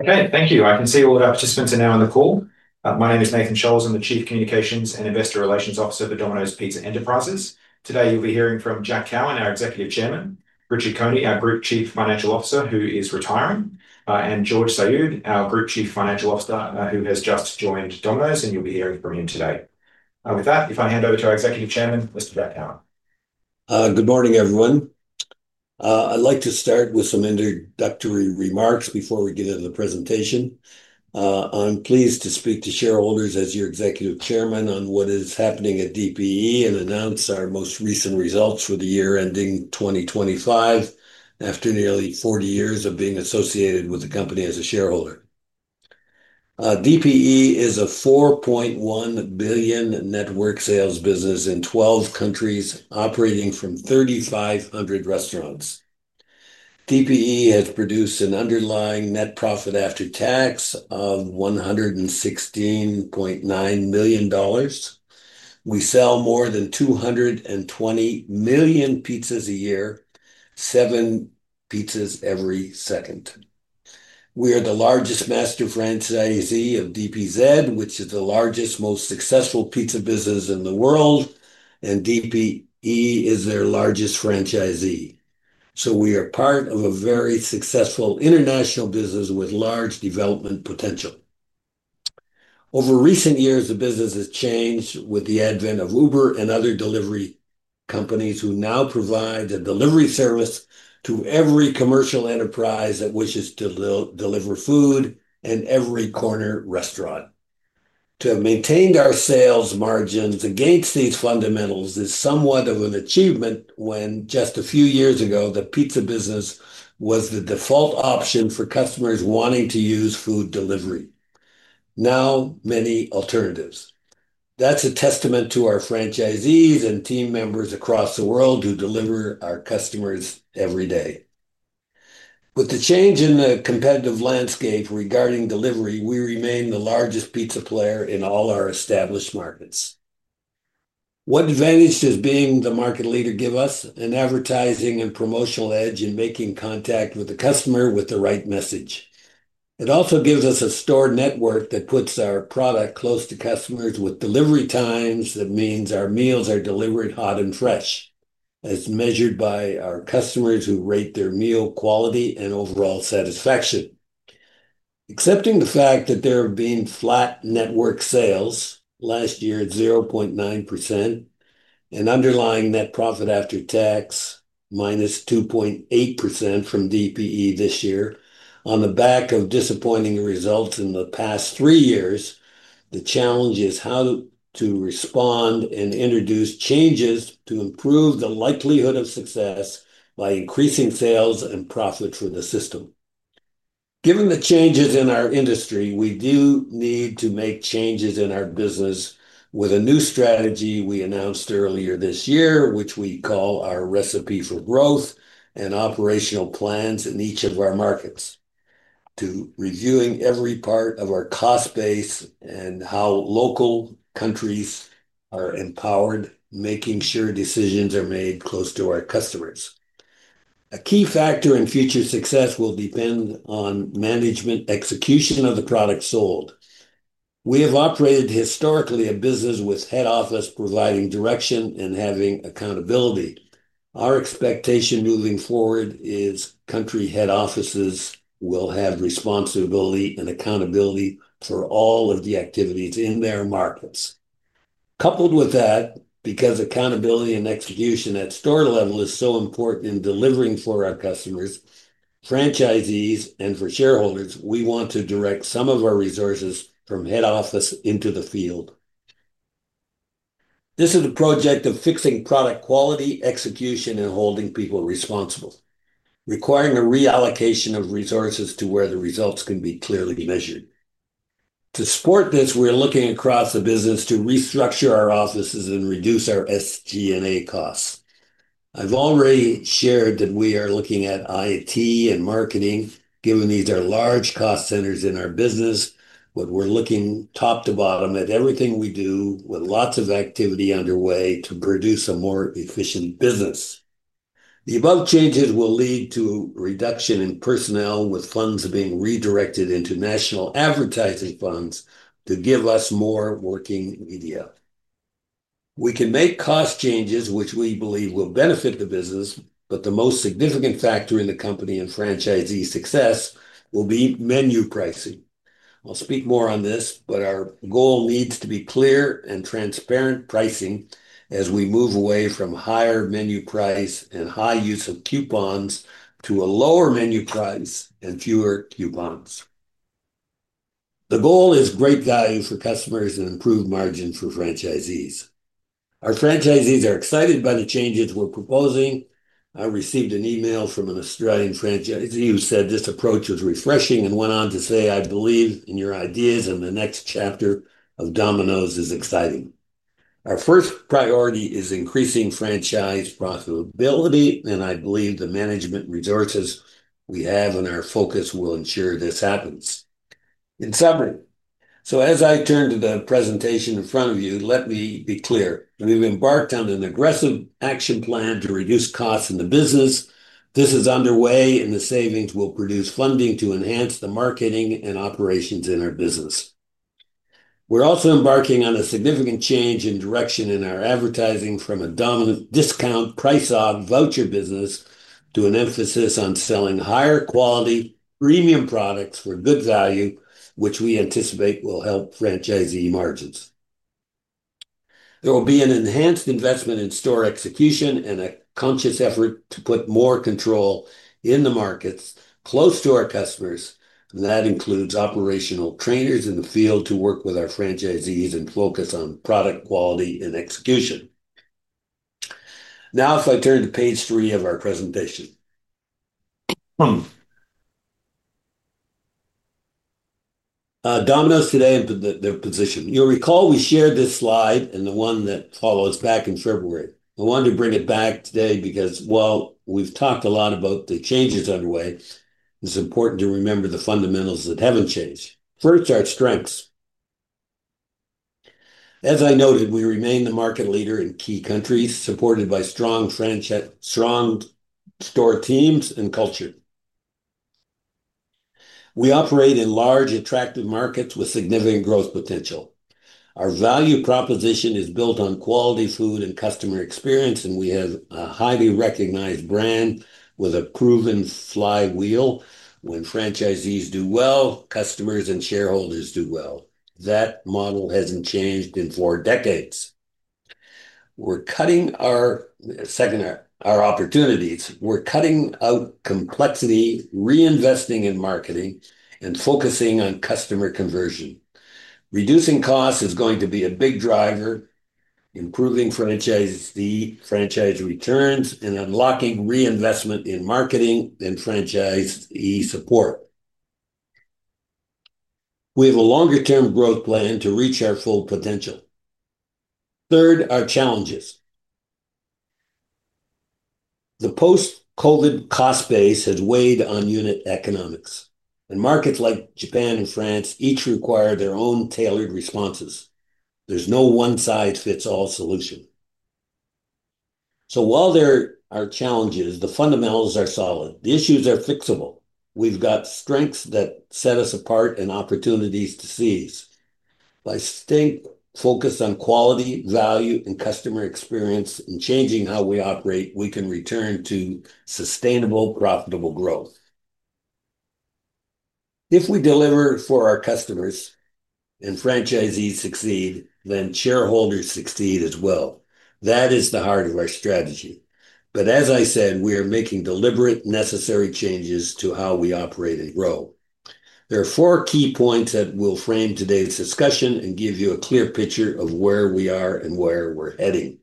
Okay, thank you. I can see all the participants are now on the call. My name is Nathan Scholz. I'm the Chief Communications and Investor Relations Officer for Domino's Pizza Enterprises. Today, you'll be hearing from Jack Cowin, our Executive Chairman, Richard Coney, our Group Chief Financial Officer, who is retiring, and George Saoud, our Group Chief Financial Officer, who has just joined Domino's, and you'll be hearing from him today. With that, if I hand over to our Executive Chairman, Mr. Jack Cowin. Good morning, everyone. I'd like to start with some introductory remarks before we get into the presentation. I'm pleased to speak to shareholders as your Executive Chairman on what is happening at DPE and announce our most recent results for the year ending 2025, after nearly 40 years of being associated with the company as a shareholder. DPE is a $4.1 billion network sales business in 12 countries, operating from 3,500 restaurants. DPE has produced an underlying net profit after tax of $116.9 million. We sell more than 220 million pizzas a year, seven pizzas every second. We are the largest master franchisee of DPZ, which is the largest, most successful pizza business in the world, and DPE is their largest franchisee. We are part of a very successful international business with large development potential. Over recent years, the business has changed with the advent of Uber and other delivery companies who now provide the delivery service to every commercial enterprise that wishes to deliver food and every corner restaurant. To have maintained our sales margins against these fundamentals is somewhat of an achievement when just a few years ago, the pizza business was the default option for customers wanting to use food delivery. Now, many alternatives. That's a testament to our franchisees and team members across the world who deliver our customers every day. With the change in the competitive landscape regarding delivery, we remain the largest pizza player in all our established markets. What advantages does being the market leader give us? An advertising and promotional edge in making contact with the customer with the right message. It also gives us a store network that puts our product close to customers with delivery times. That means our meals are delivered hot and fresh, as measured by our customers who rate their meal quality and overall satisfaction. Accepting the fact that there have been flat network sales last year, 0.9%, and underlying net profit after tax minus 2.8% from DPE this year, on the back of disappointing results in the past three years, the challenge is how to respond and introduce changes to improve the likelihood of success by increasing sales and profits for the system. Given the changes in our industry, we do need to make changes in our business with a new strategy we announced earlier this year, which we call our recipe for growth and operational plans in each of our markets. Reviewing every part of our cost base and how local countries are empowered, making sure decisions are made close to our customers. A key factor in future success will depend on management execution of the product sold. We have operated historically a business with head office providing direction and having accountability. Our expectation moving forward is country head offices will have responsibility and accountability for all of the activities in their markets. Coupled with that, because accountability and execution at store level is so important in delivering for our customers, franchisees, and for shareholders, we want to direct some of our resources from head office into the field. This is a project of fixing product quality, execution, and holding people responsible, requiring a reallocation of resources to where the results can be clearly measured. To support this, we're looking across the business to restructure our offices and reduce our SG&A costs. I've already shared that we are looking at IT and marketing, given these are large cost centers in our business, but we're looking top to bottom at everything we do with lots of activity underway to produce a more efficient business. The above changes will lead to reduction in personnel with funds being redirected into national advertising funds to give us more working media. We can make cost changes, which we believe will benefit the business, but the most significant factor in the company and franchisee's success will be menu pricing. I'll speak more on this, but our goal needs to be clear and transparent pricing as we move away from higher menu price and high use of coupons to a lower menu price and fewer coupons. The goal is great value for customers and improved margin for franchisees. Our franchisees are excited by the changes we're proposing. I received an email from an Australian franchisee who said this approach was refreshing and went on to say, "I believe in your ideas and the next chapter of Domino's is exciting." Our first priority is increasing franchise profitability, and I believe the management resources we have and our focus will ensure this happens. In summary, as I turn to the presentation in front of you, let me be clear. We've embarked on an aggressive action plan to reduce costs in the business. This is underway, and the savings will produce funding to enhance the marketing and operations in our business. We're also embarking on a significant change in direction in our advertising from a dominant discount price-off voucher business to an emphasis on selling higher quality, premium products for good value, which we anticipate will help franchisee margins. There will be an enhanced investment in store execution and a conscious effort to put more control in the markets close to our customers. That includes operational trainers in the field to work with our franchisees and focus on product quality and execution. Now, if I turn to page three of our presentation, Domino's today and their position. You'll recall we shared this slide and the one that follows back in February. I wanted to bring it back today because, while we've talked a lot about the changes underway, it's important to remember the fundamentals that haven't changed. First, our strengths. As I noted, we remain the market leader in key countries, supported by strong store teams and culture. We operate in large, attractive markets with significant growth potential. Our value proposition is built on quality food and customer experience, and we have a highly recognized brand with a proven flywheel. When franchisees do well, customers and shareholders do well. That model hasn't changed in four decades. Second, our opportunities. We're cutting out complexity, reinvesting in marketing, and focusing on customer conversion. Reducing costs is going to be a big driver, improving franchisee returns, and unlocking reinvestment in marketing and franchisee support. We have a longer-term growth plan to reach our full potential. Third, our challenges. The post-COVID cost base has weighed on unit economics, and markets like Japan and France each require their own tailored responses. There's no one-size-fits-all solution. While there are challenges, the fundamentals are solid. The issues are fixable. We've got strengths that set us apart and opportunities to seize. By staying focused on quality, value, and customer experience and changing how we operate, we can return to sustainable, profitable growth. If we deliver for our customers and franchisees succeed, then shareholders succeed as well. That is the heart of our strategy. As I said, we are making deliberate, necessary changes to how we operate and grow. There are four key points that will frame today's discussion and give you a clear picture of where we are and where we're heading.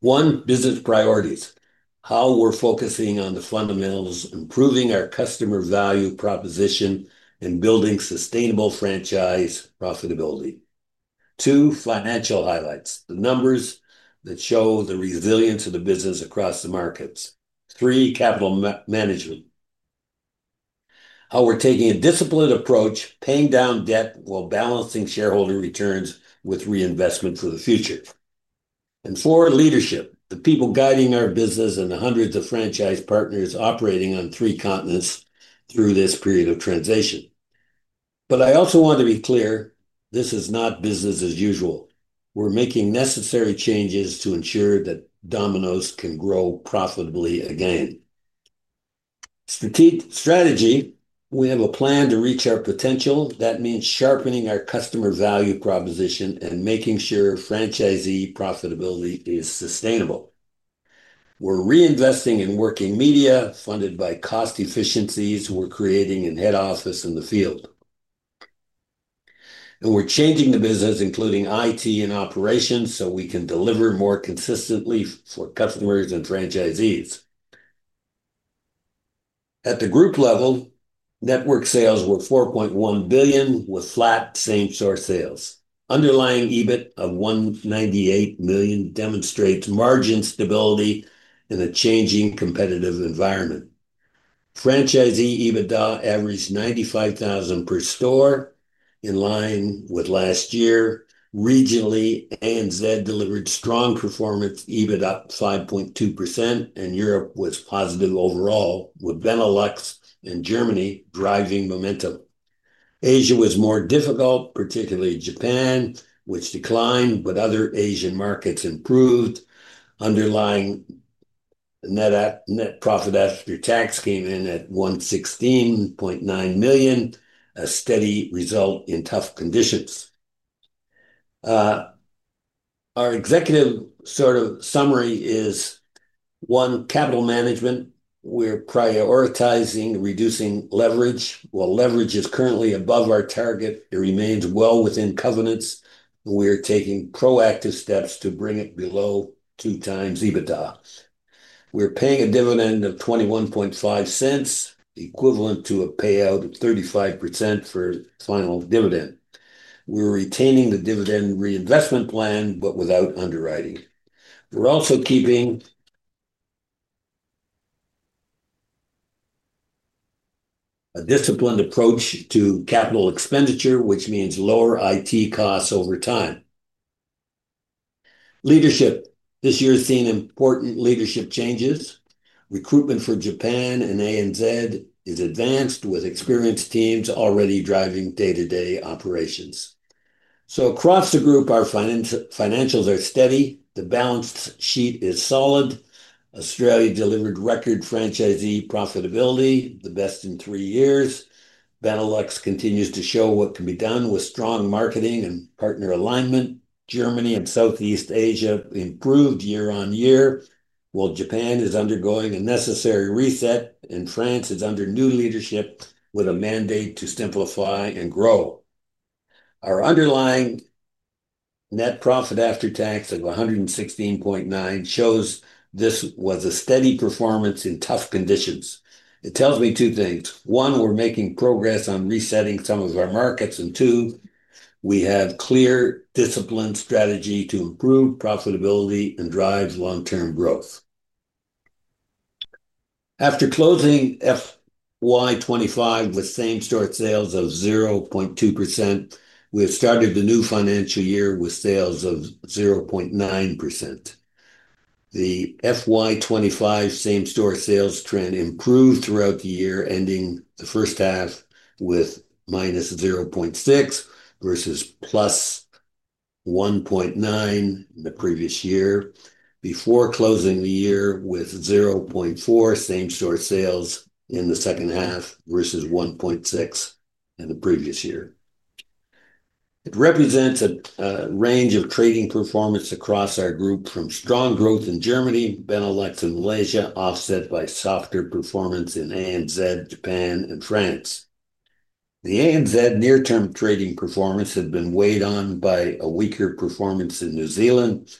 One, business priorities. How we're focusing on the fundamentals, improving our customer value proposition, and building sustainable franchise profitability. Two, financial highlights. The numbers that show the resilience of the business across the markets. Three, capital management. How we're taking a disciplined approach, paying down debt while balancing shareholder returns with reinvestment for the future. Four, leadership. The people guiding our business and the hundreds of franchise partners operating on three continents through this period of transition. I also want to be clear, this is not business as usual. We're making necessary changes to ensure that Domino's can grow profitably again. Strategy, we have a plan to reach our potential. That means sharpening our customer value proposition and making sure franchisee profitability is sustainable. We're reinvesting in working media funded by cost efficiencies we're creating in head office in the field. We're changing the business, including IT and operations, so we can deliver more consistently for customers and franchisees. At the group level, network sales were $4.1 billion with flat same-store sales. Underlying EBIT of $198 million demonstrates margin stability in a changing competitive environment. Franchisee EBITDA averaged $95,000 per store in line with last year. Regionally, ANZ delivered strong performance, EBIT up 5.2%, and Europe was positive overall, with Benelux and Germany driving momentum. Asia was more difficult, particularly Japan, which declined, but other Asian markets improved. Underlying net profit after tax came in at $116.9 million, a steady result in tough conditions. Our executive sort of summary is, one, capital management. We're prioritizing reducing leverage. While leverage is currently above our target, it remains well within covenants. We're taking proactive steps to bring it below 2x EBITDA. We're paying a dividend of $0.215, equivalent to a payout of 35% for final dividend. We're retaining the dividend reinvestment plan, but without underwriting. We're also keeping a disciplined approach to capital expenditure, which means lower IT costs over time. Leadership, this year has seen important leadership changes. Recruitment for Japan and ANZ is advanced, with experienced teams already driving day-to-day operations. Across the group, our financials are steady. The balance sheet is solid. Australia delivered record franchisee profitability, the best in three years. Benelux continues to show what can be done with strong marketing and partner alignment. Germany and Southeast Asia improved year-on-year, while Japan is undergoing a necessary reset, and France is under new leadership with a mandate to simplify and grow. Our underlying net profit after tax of $116.9 million shows this was a steady performance in tough conditions. It tells me two things. One, we're making progress on resetting some of our markets, and two, we have a clear disciplined strategy to improve profitability and drive long-term growth. After closing FY2025 with same-store sales of 0.2%, we have started the new financial year with sales of 0.9%. The FY2025 same-store sales trend improved throughout the year, ending the first half with -0.6% versus +1.9% in the previous year, before closing the year with 0.4% same-store sales in the second half versus 1.6% in the previous year. It represents a range of trading performance across our group from strong growth in Germany, Benelux, and Malaysia, offset by softer performance in ANZ, Japan, and France. The ANZ near-term trading performance has been weighed on by a weaker performance in New Zealand,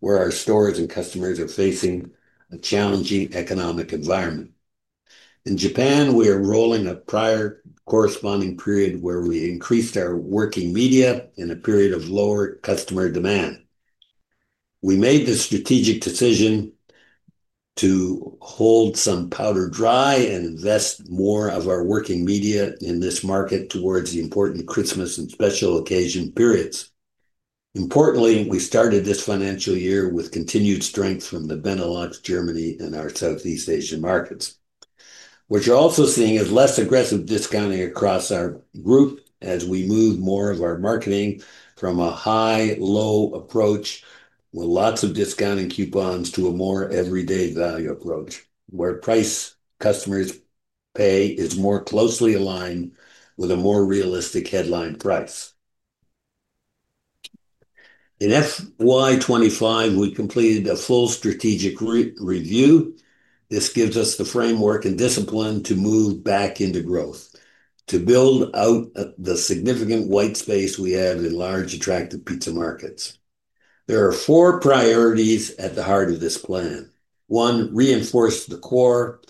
where our stores and customers are facing a challenging economic environment. In Japan, we are rolling a prior corresponding period where we increased our working media in a period of lower customer demand. We made the strategic decision to hold some powder dry and invest more of our working media in this market towards the important Christmas and special occasion periods. Importantly, we started this financial year with continued strength from the Benelux, Germany, and our Southeast Asian markets. What you're also seeing is less aggressive discounting across our group as we move more of our marketing from a high-low approach with lots of discounting coupons to a more everyday value approach, where price customers pay is more closely aligned with a more realistic headline price. In FY2025, we completed a full strategic review. This gives us the framework and discipline to move back into growth, to build out the significant white space we have in large, attractive pizza markets. There are four priorities at the heart of this plan. One, reinforce the core.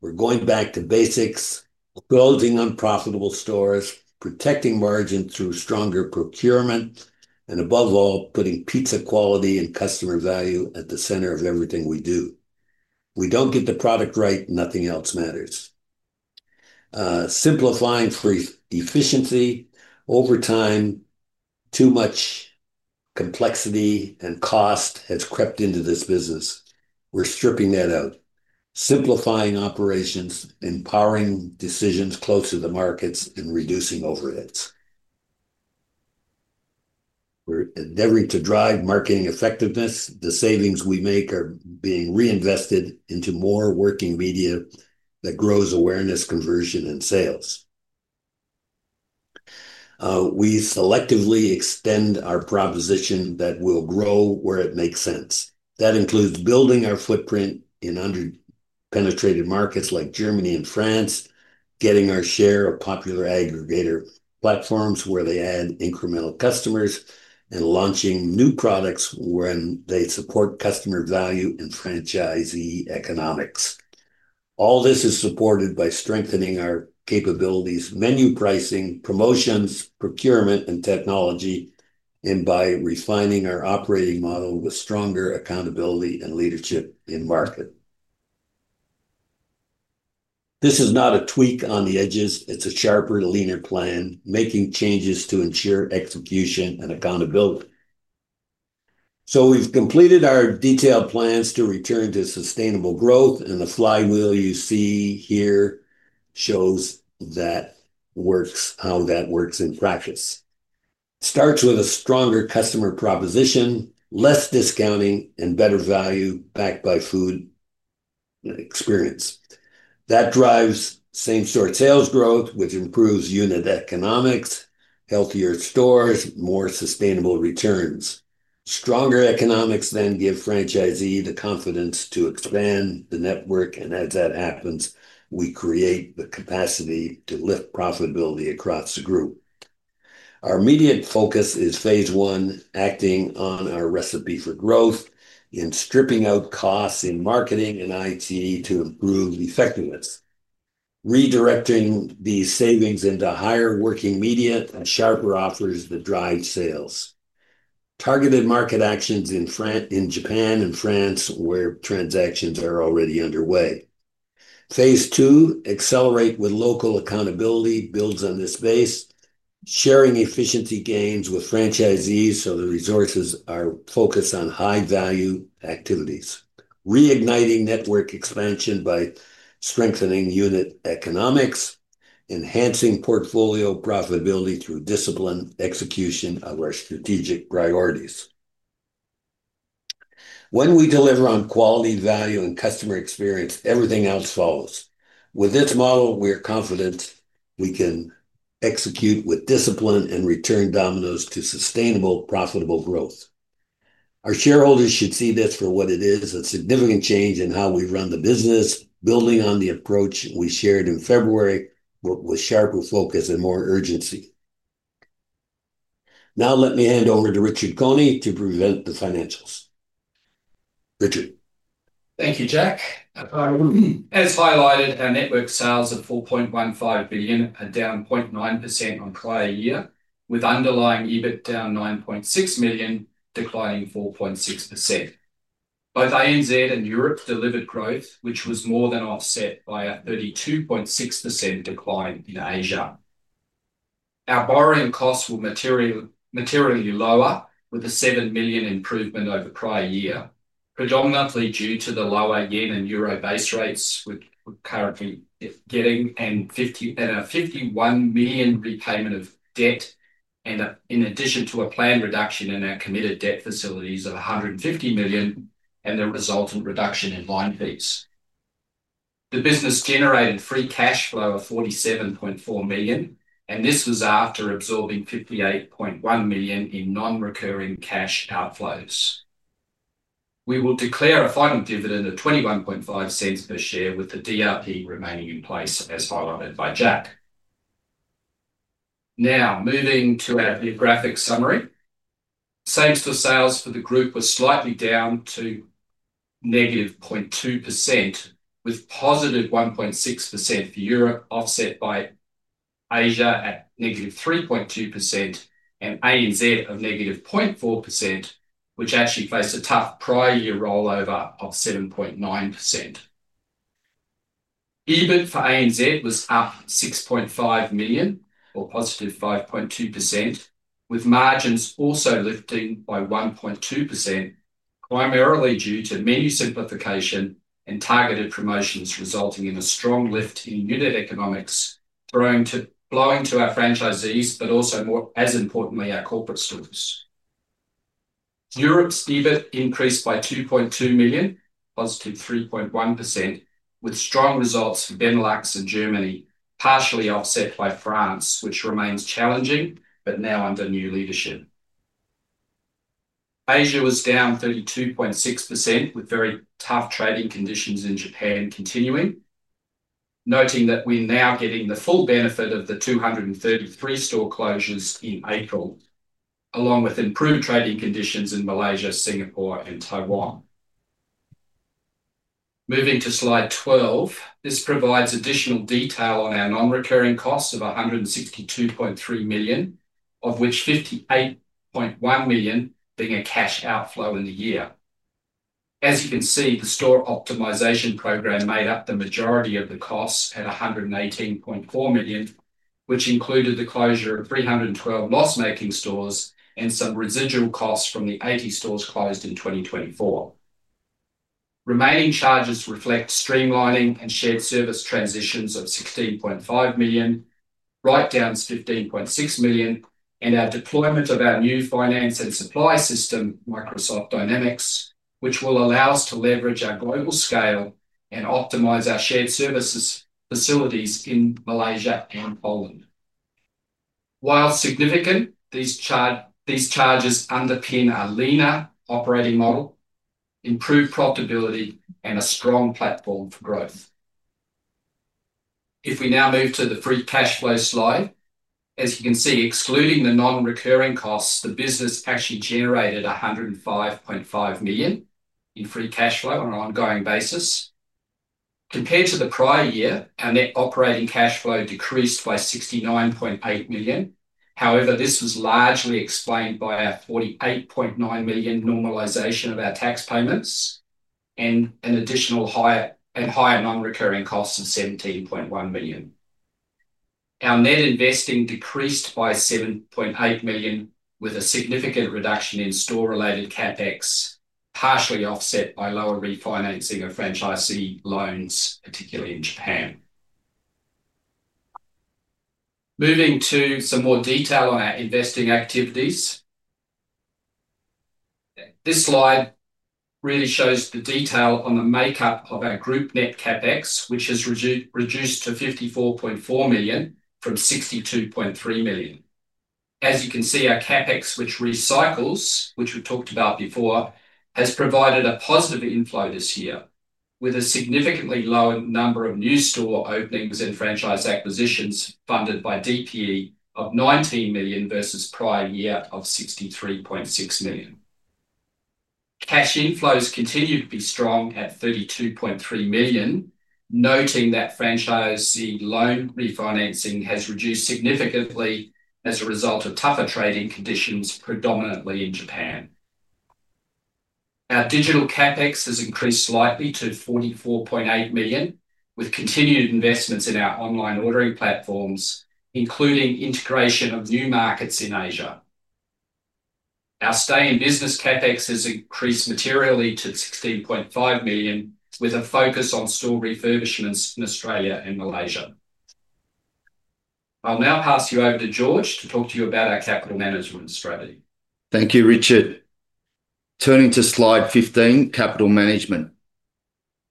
We're going back to basics, closing unprofitable stores, protecting margins through stronger procurement, and above all, putting pizza quality and customer value at the center of everything we do. If we don't get the product right, nothing else matters. Simplifying for efficiency. Over time, too much complexity and cost has crept into this business. We're stripping that out, simplifying operations, empowering decisions close to the markets, and reducing overheads. We're endeavoring to drive marketing effectiveness. The savings we make are being reinvested into more working media that grows awareness, conversion, and sales. We selectively extend our proposition that will grow where it makes sense. That includes building our footprint in underpenetrated markets like Germany and France, getting our share of popular aggregator platforms where they add incremental customers, and launching new products when they support customer value and franchisee economics. All this is supported by strengthening our capabilities, menu pricing, promotions, procurement, and technology, and by refining our operating model with stronger accountability and leadership in market. This is not a tweak on the edges. It's a sharper, leaner plan, making changes to ensure execution and accountability. We've completed our detailed plans to return to sustainable growth, and the slide wheel you see here shows how that works in practice. It starts with a stronger customer proposition, less discounting, and better value backed by food experience. That drives same-store sales growth, which improves unit economics, healthier stores, more sustainable returns. Stronger economics then give franchisees the confidence to expand the network, and as that happens, we create the capacity to lift profitability across the group. Our immediate focus is phase I, acting on our recipe for growth in stripping out costs in marketing and IT to improve effectiveness, redirecting these savings into higher working media and sharper offers that drive sales. Targeted market actions in Japan and France where transactions are already underway. Phase II, accelerate with local accountability, builds on this base, sharing efficiency gains with franchisees so the resources are focused on high-value activities. Reigniting network expansion by strengthening unit economics, enhancing portfolio profitability through disciplined execution of our strategic priorities. When we deliver on quality, value, and customer experience, everything else follows. With this model, we are confident we can execute with discipline and return Domino's to sustainable, profitable growth. Our shareholders should see this for what it is, a significant change in how we run the business, building on the approach we shared in February, but with sharper focus and more urgency. Now, let me hand over to Richard Coney to present the financials. Richard. Thank you, Jack. As highlighted, our network sales are $4.15 billion, down 0.9% on prior year, with underlying EBIT down $9.6 million, declining 4.6%. Both ANZ and Europe delivered growth, which was more than offset by a 32.6% decline in Asia. Our borrowing costs were materially lower, with a $7 million improvement over prior year, predominantly due to the lower yen and euro base rates we're currently getting, and at our $51 million repayment of debt, and in addition to a planned reduction in our committed debt facilities of $150 million and the resultant reduction in line fees. The business generated free cash flow of $47.4 million, and this was after absorbing $58.1 million in non-recurring cash outflows. We will declare a final dividend of $0.215 per share, with the DRP remaining in place as highlighted by Jack. Now, moving to our geographic summary, same store sales for the group was slightly down to -0.2%, with +1.6% for Europe, offset by Asia at -3.2%, and ANZ of -0.4%, which actually faced a tough prior year rollover of 7.9%. EBIT for ANZ was up $6.5 million, or +5.2%, with margins also lifting by 1.2%, primarily due to media simplification and targeted promotions, resulting in a strong lift in unit economics, blowing to our franchisees, but also more, as importantly, our corporate stores. Europe's EBIT increased by $2.2 million, +3.1%, with strong results for Benelux and Germany, partially offset by France, which remains challenging, but now under new leadership. Asia was down 32.6%, with very tough trading conditions in Japan continuing, noting that we're now getting the full benefit of the 233 store closures in April, along with improved trading conditions in Malaysia, Singapore, and Taiwan. Moving to slide 12, this provides additional detail on our non-recurring costs of $162.3 million, of which $58.1 million being a cash outflow in the year. As you can see, the store optimization program made up the majority of the costs at $118.4 million, which included the closure of 312 loss-making stores and some residual costs from the 80 stores closed in 2024. Remaining charges reflect streamlining and shared service transitions of $16.5 million, write-downs $15.6 million, and our deployment of our new finance and supply system, Microsoft Dynamics, which will allow us to leverage our global scale and optimize our shared services facilities in Malaysia and Poland. While significant, these charges underpin a leaner operating model, improved profitability, and a strong platform for growth. If we now move to the free cash flow slide, as you can see, excluding the non-recurring costs, the business actually generated $105.5 million in free cash flow on an ongoing basis. Compared to the prior year, our net operating cash flow decreased by $69.8 million. However, this was largely explained by our $48.9 million normalization of our tax payments and an additional higher non-recurring cost of $17.1 million. Our net investing decreased by $7.8 million, with a significant reduction in store-related CapEx, partially offset by lower refinancing of franchisee loans, particularly in Japan. Moving to some more detail on our investing activities. This slide really shows the detail on the makeup of our group net CapEx, which has reduced to $54.4 million from $62.3 million. As you can see, our CapEx, which recycles, which we talked about before, has provided a positive inflow this year, with a significantly lower number of new store openings and franchise acquisitions funded by DPE of $19 million versus prior year of $63.6 million. Cash inflows continue to be strong at $32.3 million, noting that franchisee loan refinancing has reduced significantly as a result of tougher trading conditions, predominantly in Japan. Our digital CapEx has increased slightly to $44.8 million, with continued investments in our online ordering platforms, including integration of new markets in Asia. Our stay in business CapEx has increased materially to $16.5 million, with a focus on store refurbishments in Australia and Malaysia. I'll now pass you over to George to talk to you about our capital management strategy. Thank you, Richard. Turning to slide 15, capital management.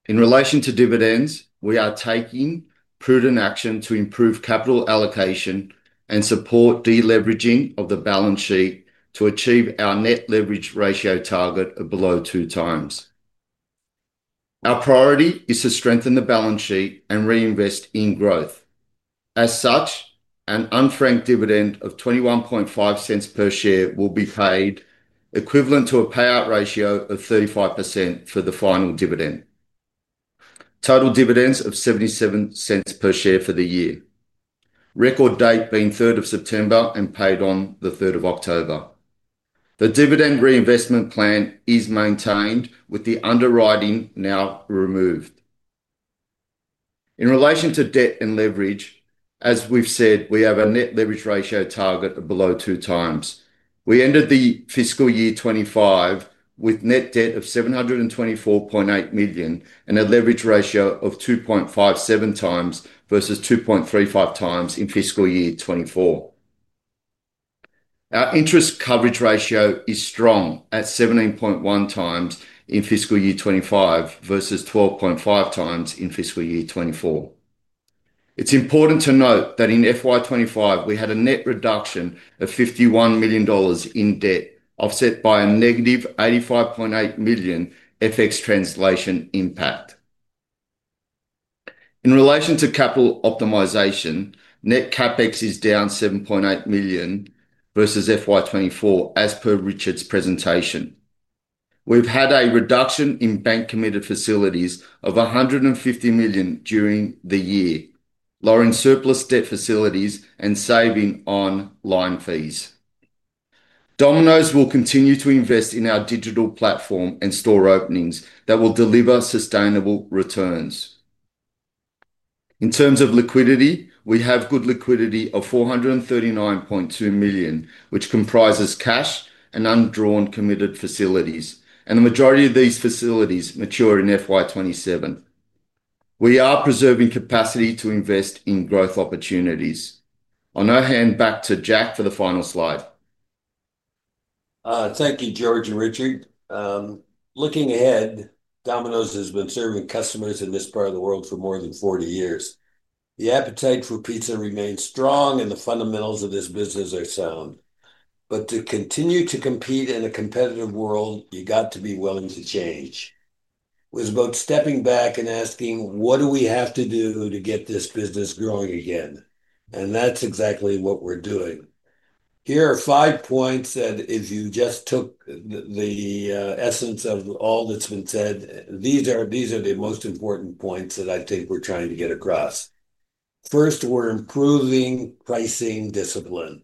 In relation to dividends, we are taking prudent action to improve capital allocation and support deleveraging of the balance sheet to achieve our net leverage ratio target of below 2x. Our priority is to strengthen the balance sheet and reinvest in growth. As such, an unfranked dividend of $0.215 per share will be paid, equivalent to a payout ratio of 35% for the final dividend. Total dividends of $0.77 per share for the year. Record date being 3rd of September and paid on the 3rd of October. The dividend reinvestment plan is maintained, with the underwriting now removed. In relation to debt and leverage, as we've said, we have a net leverage ratio target of below 2x. We ended the fiscal year 2025 with net debt of $724.8 million and a leverage ratio of 2.57x versus 2.35x in fiscal year 2024. Our interest coverage ratio is strong at 17.1x in fiscal year 2025 versus 12.5x in fiscal year 2024. It's important to note that in 2025, we had a net reduction of $51 million in debt, offset by a -$85.8 million FX translation impact. In relation to capital optimization, net CapEx is down $7.8 million versus 2024, as per Richard's presentation. We've had a reduction in bank committed facilities of $150 million during the year, lowering surplus debt facilities and saving on line fees. Domino's will continue to invest in our digital platform and store openings that will deliver sustainable returns. In terms of liquidity, we have good liquidity of $439.2 million, which comprises cash and undrawn committed facilities, and the majority of these facilities mature in FY2027. We are preserving capacity to invest in growth opportunities. I'll now hand back to Jack for the final slide. Thank you, George and Richard. Looking ahead, Domino's has been serving customers in this part of the world for more than 40 years. The appetite for pizza remains strong, and the fundamentals of this business are sound. To continue to compete in a competitive world, you've got to be willing to change. It was about stepping back and asking, what do we have to do to get this business growing again? That's exactly what we're doing. Here are five points that, if you just took the essence of all that's been said, these are the most important points that I think we're trying to get across. First, we're improving pricing discipline.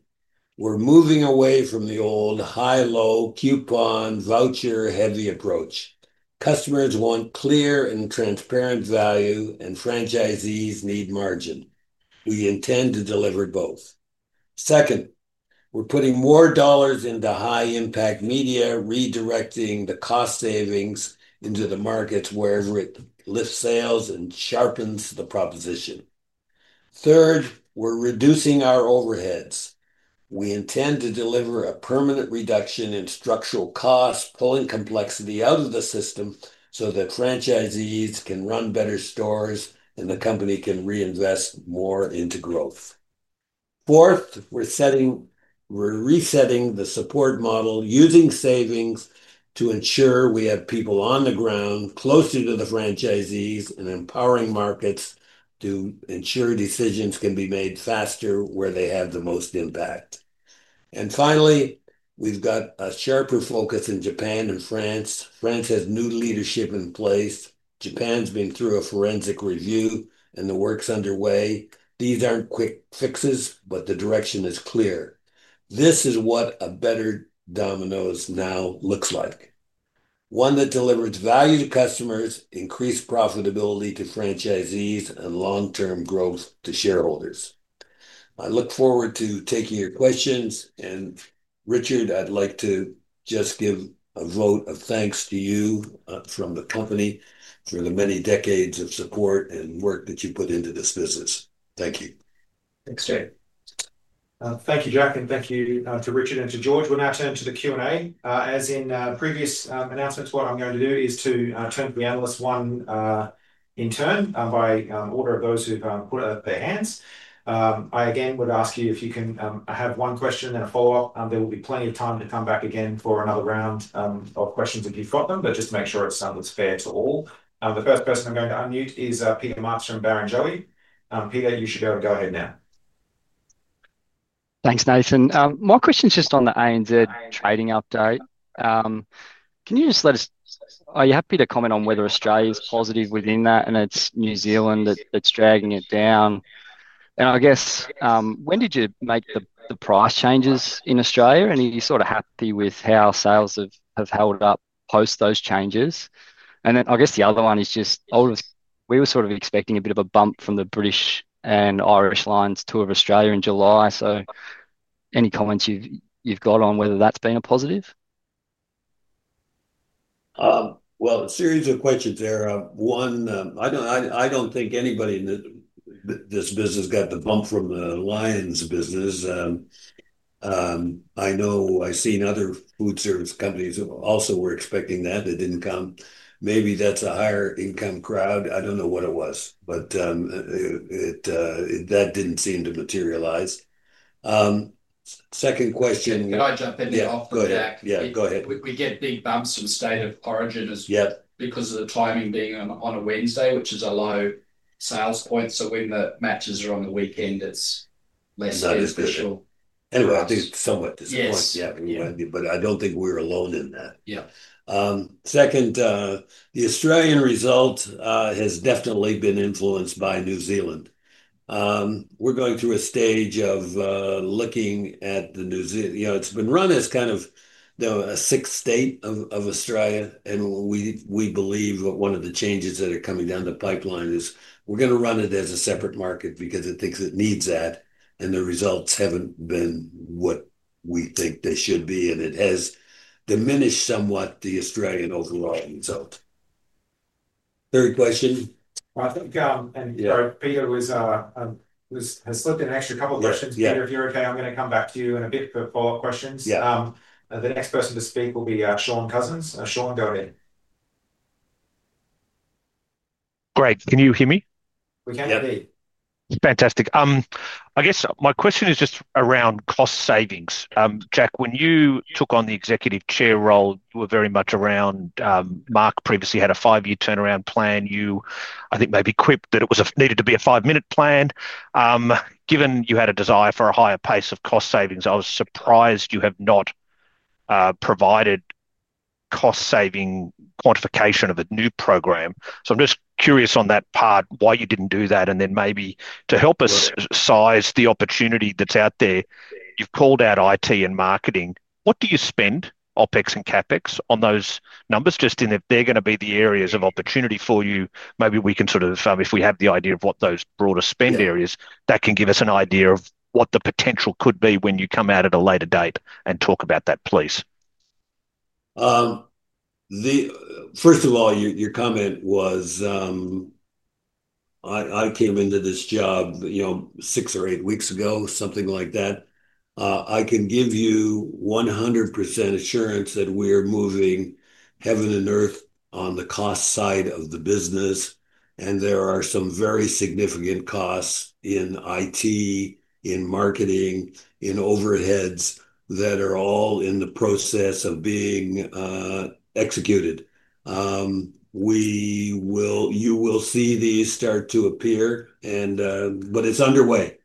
We're moving away from the old high-low coupon voucher-heavy approach. Customers want clear and transparent value, and franchisees need margin. We intend to deliver both. Second, we're putting more dollars into high-impact media, redirecting the cost savings into the markets wherever it lifts sales and sharpens the proposition. Third, we're reducing our overheads. We intend to deliver a permanent reduction in structural costs, pulling complexity out of the system so that franchisees can run better stores, and the company can reinvest more into growth. Fourth, we're resetting the support model, using savings to ensure we have people on the ground, closer to the franchisees, and empowering markets to ensure decisions can be made faster where they have the most impact. Finally, we've got a sharper focus in Japan and France. France has new leadership in place. Japan's been through a forensic review, and the work's underway. These aren't quick fixes, but the direction is clear. This is what a better Domino's now looks like. One that delivers value to customers, increased profitability to franchisees, and long-term growth to shareholders. I look forward to taking your questions, and Richard, I'd like to just give a vote of thanks to you from the company for the many decades of support and work that you put into this business. Thank you. Thanks, Jack. Thank you, Jack, and thank you to Richard and to George. We'll now turn to the Q&A. As in previous announcements, what I'm going to do is to turn to the analyst one in turn by order of those who've put up their hands. I again would ask you if you can have one question and a follow-up. There will be plenty of time to come back again for another round of questions if you've got them, but just make sure it's something that's fair to all. The first person I'm going to unmute is Peter Marks from Barrenjoey. Peter, you should go ahead now. Thanks, Nathan. My question is just on the ANZ trading update. Can you just let us, are you happy to comment on whether Australia is positive within that and it's New Zealand that's dragging it down? I guess, when did you make the price changes in Australia? Are you sort of happy with how sales have held up post those changes? I guess the other one is just, we were sort of expecting a bit of a bump from the British and Irish Lion's tour of Australia in July. Any comments you've got on whether that's been a positive? Well, a series of questions there. One, I don't think anybody in this business got the bump from the Lion's business. I know I've seen other food service companies that also were expecting that. They didn't come. Maybe that's a higher income crowd. I don't know what it was, but that didn't seem to materialize. Second question. Can I jump in? Yeah, go ahead. We get big bumps in the State of Origin. Yes. Because of the timing being on a Wednesday, which is a low sales point. When the matches are on the weekend, it's less. It was rather somewhat disappointing. I don't think we're alone in that. Yeah. Second, the Australian result has definitely been influenced by New Zealand. We're going through a stage of looking at New Zealand. It's been run as kind of a sixth state of Australia. We believe that one of the changes that are coming down the pipeline is we're going to run it as a separate market because it thinks it needs that. The results haven't been what we think they should be, and it has diminished somewhat the Australian overall result. Third question. I think Peter has spoken an extra couple of questions. Peter, if you're okay, I'm going to come back to you in a bit for follow-up questions. Yeah. The next person to speak will be Shaun Cousins. Shaun, go ahead. Great. Can you hear me? We can. Yeah. Fantastic. I guess my question is just around cost savings. Jack, when you took on the Executive Chair role, we're very much around Mark previously had a five-year turnaround plan. You, I think, maybe quipped that it needed to be a five-minute plan. Given you had a desire for a higher pace of cost savings, I was surprised you have not provided cost-saving quantification of the new program. I'm just curious on that part, why you didn't do that. Maybe to help us size the opportunity that's out there, you've called out IT and marketing. What do you spend, OpEx and CapEx, on those numbers? Just in that they're going to be the areas of opportunity for you. Maybe we can sort of, if we have the idea of what those broader spend areas, that can give us an idea of what the potential could be when you come out at a later date and talk about that, please. First of all, your comment was I came into this job, you know, six or eight weeks ago, something like that. I can give you 100% assurance that we are moving heaven and earth on the cost side of the business. There are some very significant costs in IT, in marketing, in overheads that are all in the process of being executed. You will see these start to appear, but it's underway.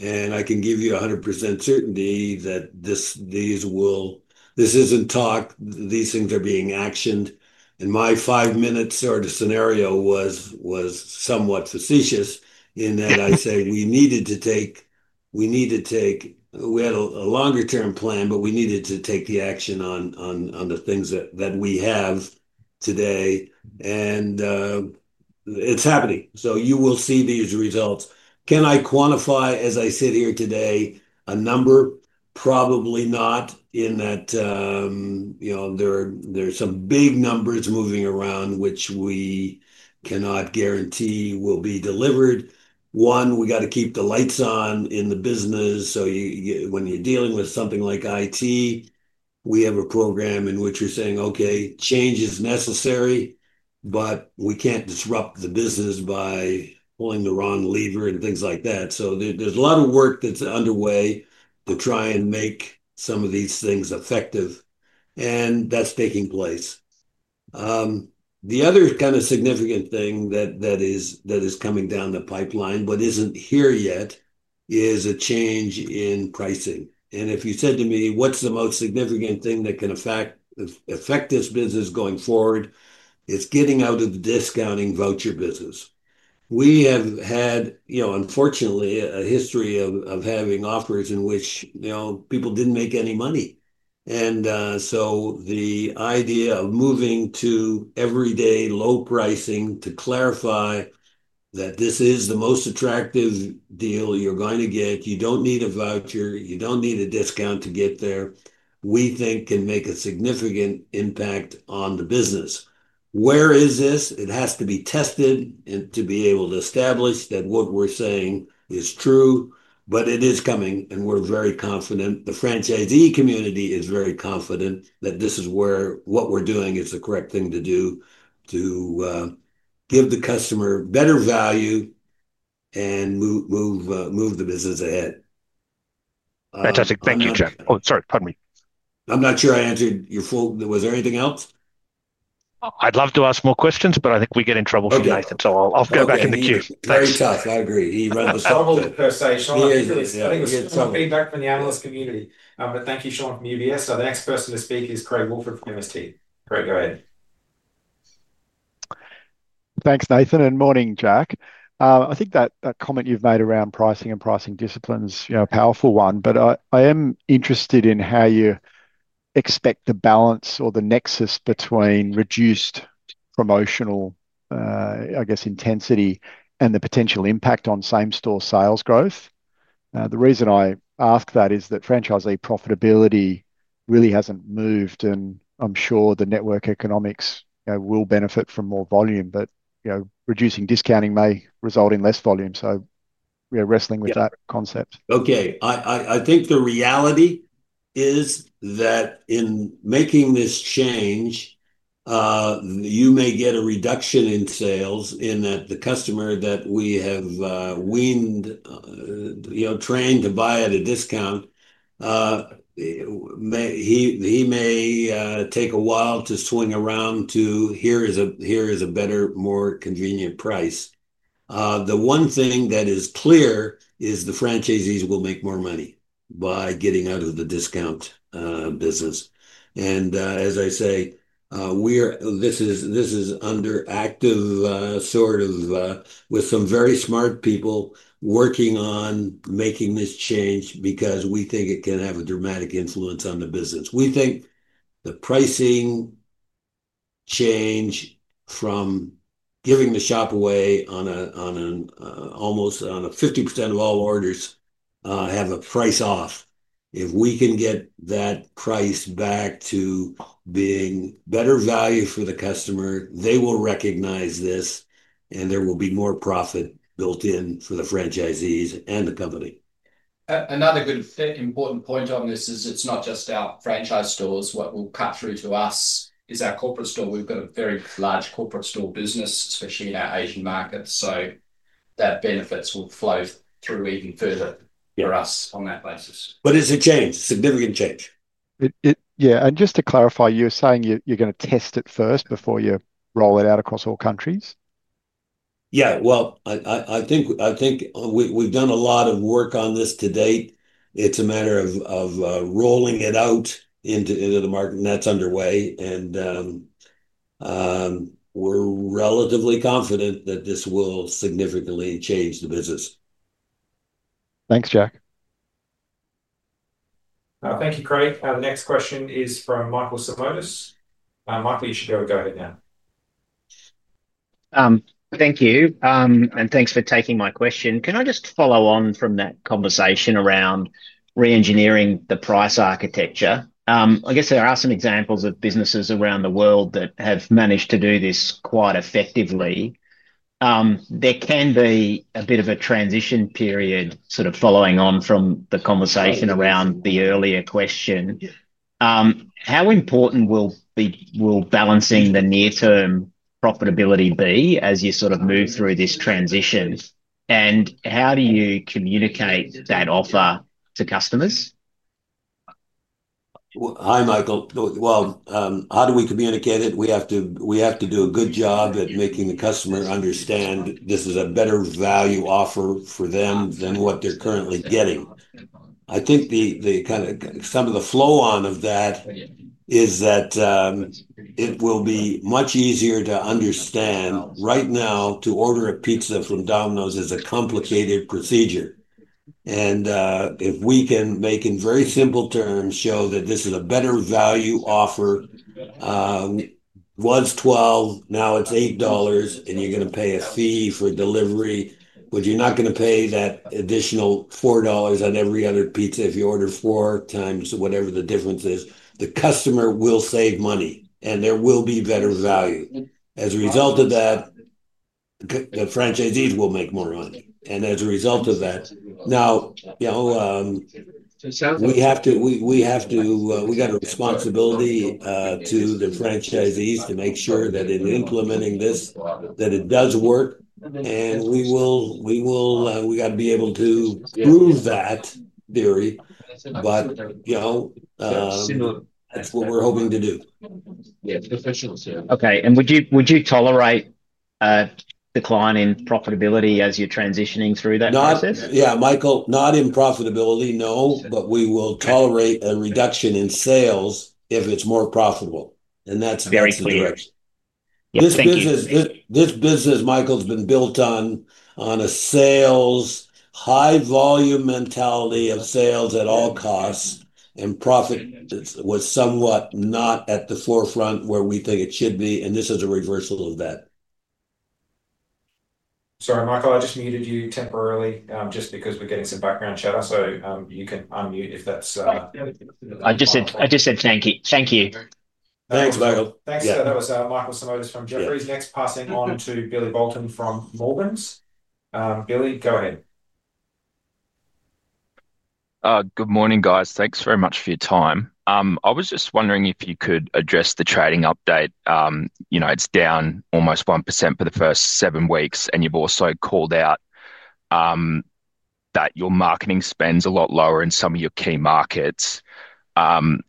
I can give you 100% certainty that these will, this isn't talk, these things are being actioned. My five-minute sort of scenario was somewhat facetious in that I said we needed to take, we need to take, we had a longer-term plan, but we needed to take the action on the things that we have today. It's happening. You will see these results. Can I quantify, as I sit here today, a number? Probably not, in that there are some big numbers moving around, which we cannot guarantee will be delivered. One, we got to keep the lights on in the business. When you're dealing with something like IT, we have a program in which we're saying, okay, change is necessary, but we can't disrupt the business by pulling the wrong lever and things like that. There's a lot of work that's underway to try and make some of these things effective. That's taking place. The other kind of significant thing that is coming down the pipeline, but isn't here yet, is a change in pricing. If you said to me, what's the most significant thing that can affect this business going forward, it's getting out of the discounting voucher business. We have had, unfortunately, a history of having offers in which people didn't make any money. The idea of moving to everyday low pricing to clarify that this is the most attractive deal you're going to get, you don't need a voucher, you don't need a discount to get there, we think can make a significant impact on the business. Where is this? It has to be tested and to be able to establish that what we're saying is true, but it is coming, and we're very confident. The franchisee community is very confident that this is where what we're doing is the correct thing to do to give the customer better value and move the business ahead. Fantastic. Thank you, Jack. Sorry, pardon me. I'm not sure I answered your full, was there anything else? I'd love to ask more questions, but I think we getting in trouble for you, so I'll go back in the queue. Very tough, I agree. He runs the, feedback from the analyst community. Thank you, Sean, for UBS. The next person to speak is Craig Woolford from MST.Craig, go ahead. Thanks, Nathan, and morning, Jack. I think that comment you've made around pricing and pricing disciplines is a powerful one. I am interested in how you expect the balance or the nexus between reduced promotional, I guess, intensity and the potential impact on same-store sales growth. The reason I ask that is that franchisee profitability really hasn't moved, and I'm sure the network economics will benefit from more volume, but reducing discounting may result in less volume. We are wrestling with that concept. Okay, I think the reality is that in making this change, you may get a reduction in sales in that the customer that we have weaned, you know, trained to buy at a discount, he may take a while to swing around to here is a better, more convenient price. The one thing that is clear is the franchisees will make more money by getting out of the discount business. As I say, this is under active sort of with some very smart people working on making this change because we think it can have a dramatic influence on the business. We think the pricing change from giving the shop away on an almost 50% of all orders have a price off. If we can get that price back to being better value for the customer, they will recognize this, and there will be more profit built in for the franchisees and the company. Another good important point on this is it's not just our franchise stores. What will cut through to us is our corporate store. We've got a very large corporate store business, especially in our Asian markets. That benefits will flow through even further for us on that basis. It's a change, significant change. Yeah, just to clarify, you're saying you're going to test it first before you roll it out across all countries? I think we've done a lot of work on this to date. It's a matter of rolling it out into the market, and that's underway. We're relatively confident that this will significantly change the business. Thanks, Jack. Thank you, Craig. Our next question is from Michael Simotas. Michael, you should go ahead now. Thank you, and thanks for taking my question. Can I just follow on from that conversation around re-engineering the price architecture? I guess there are some examples of businesses around the world that have managed to do this quite effectively. There can be a bit of a transition period following on from the conversation around the earlier question. How important will balancing the near-term profitability be as you move through this transition? How do you communicate that offer to customers? Hi, Michael. How do we communicate it? We have to do a good job at making the customer understand this is a better value offer for them than what they're currently getting. I think some of the flow-on of that is that it will be much easier to understand. Right now, to order a pizza from Domino's is a complicated procedure. If we can, in very simple terms, show that this is a better value offer—was $12, now it's $8—and you're going to pay a fee for delivery, but you're not going to pay that additional $4 on every other pizza. If you order four times, whatever the difference is, the customer will save money, and there will be better value. As a result of that, the franchisees will make more money. As a result of that, we have a responsibility to the franchisees to make sure that in implementing this, it does work. We have to be able to prove that theory, but it's what we're hoping to do. Okay, would you tolerate a decline in profitability as you're transitioning through that process? Yeah, Michael, not in profitability, no, but we will tolerate a reduction in sales if it's more profitable. That's the right direction. Very clear. This business, Michael, has been built on a sales high volume mentality of sales at all costs, and profit was somewhat not at the forefront where we think it should be, and this is a reversal of that. Sorry, Michael, I just muted you temporarily because we're getting some background chatter. You can unmute if that's okay. I just said thank you. Thank you. Thanks, Michael. Thanks, that was Michael Simotas from Jefferies. Next, passing on to Billy Boulton from Morgans. Billy, go ahead. Good morning, guys. Thanks very much for your time. I was just wondering if you could address the trading update. It's down almost 1% for the first seven weeks, and you've also called out that your marketing spend is a lot lower in some of your key markets.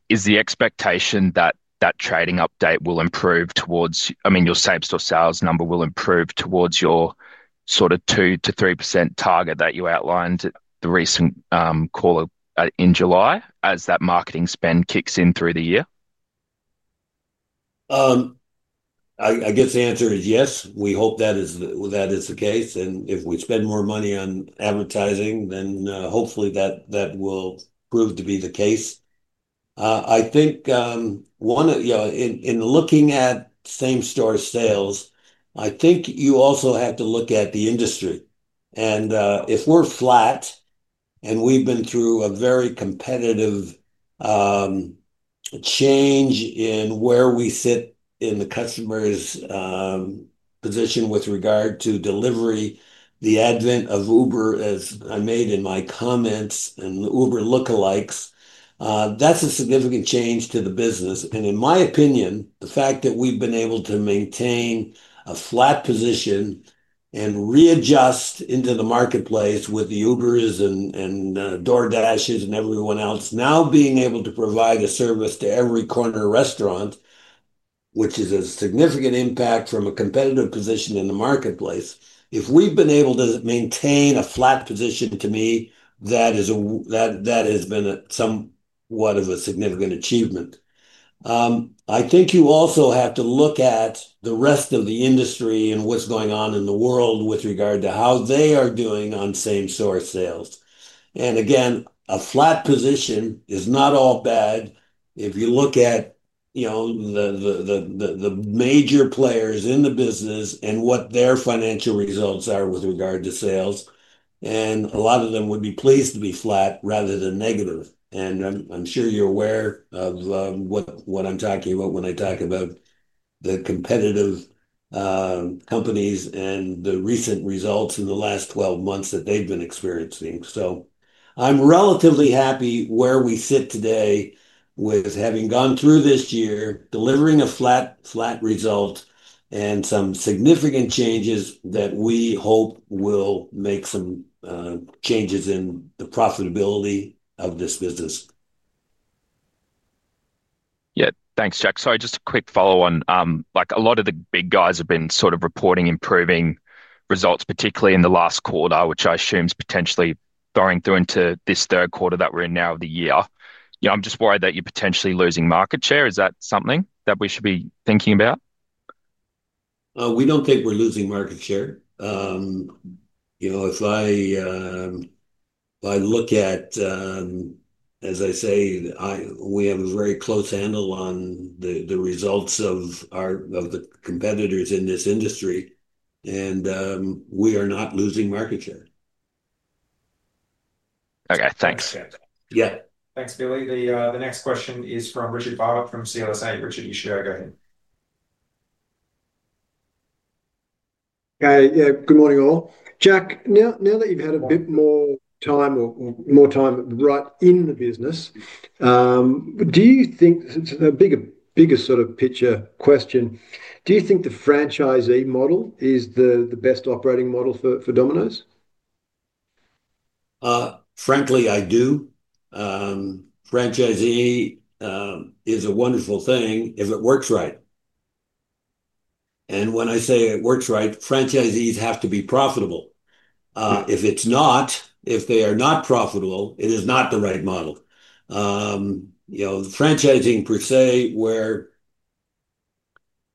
Is the expectation that that trading update will improve towards, I mean, your same-store sales number will improve towards your sort of 2%-3% target that you outlined the recent call in July as that marketing spend kicks in through the year? I guess the answer is yes. We hope that is the case, and if we spend more money on advertising, then hopefully that will prove to be the case. I think, in looking at same-store sales, you also have to look at the industry. If we're flat, and we've been through a very competitive change in where we sit in the customer's position with regard to delivery, the advent of Uber, as I made in my comments, and the Uber look-alikes, that's a significant change to the business. In my opinion, the fact that we've been able to maintain a flat position and readjust into the marketplace with the Ubers and DoorDash and everyone else now being able to provide a service to every corner restaurant, which is a significant impact from a competitive position in the marketplace. If we've been able to maintain a flat position, to me, that has been somewhat of a significant achievement. You also have to look at the rest of the industry and what's going on in the world with regard to how they are doing on same-store sales. A flat position is not all bad. If you look at the major players in the business and what their financial results are with regard to sales, a lot of them would be pleased to be flat rather than negative. I'm sure you're aware of what I'm talking about when I talk about the competitive companies and the recent results in the last 12 months that they've been experiencing. I'm relatively happy where we sit today with having gone through this year, delivering a flat result, and some significant changes that we hope will make some changes in the profitability of this business. Yeah, thanks, Jack. So just a quick follow-on. A lot of the big guys have been sort of reporting improving results, particularly in the last quarter, which I assume is potentially going through into this Third Quarter that we're in now of the year. I'm just worried that you're potentially losing market share. Is that something that we should be thinking about? We don't think we're losing market share. If I look at, as I say, we have a very close handle on the results of the competitors in this industry, and we are not losing market share. Okay, thanks. Yeah. Thanks, Billy. The next question is from Richard Barwick from CLSA. Richard, you should go ahead. Okay, yeah, good morning all. Jack, now that you've had a bit more time, or more time right in the business, do you think this is a bigger sort of picture question, do you think the franchisee model is the best operating model for Domino's? Frankly, I do. Franchisee is a wonderful thing if it works right. When I say it works right, franchisees have to be profitable. If it's not, if they are not profitable, it is not the right model. You know, franchising per se, where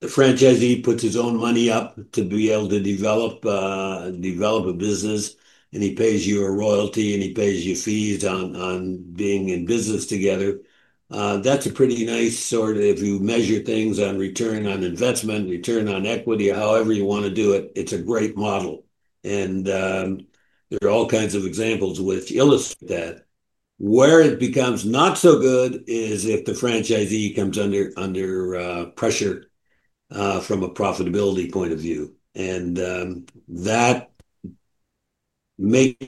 the franchisee puts his own money up to be able to develop a business, and he pays you a royalty, and he pays you fees on being in business together, that's a pretty nice sort of, if you measure things on return on investment, return on equity, however you want to do it, it's a great model. There are all kinds of examples which illustrate that. Where it becomes not so good is if the franchisee comes under pressure from a profitability point of view. That makes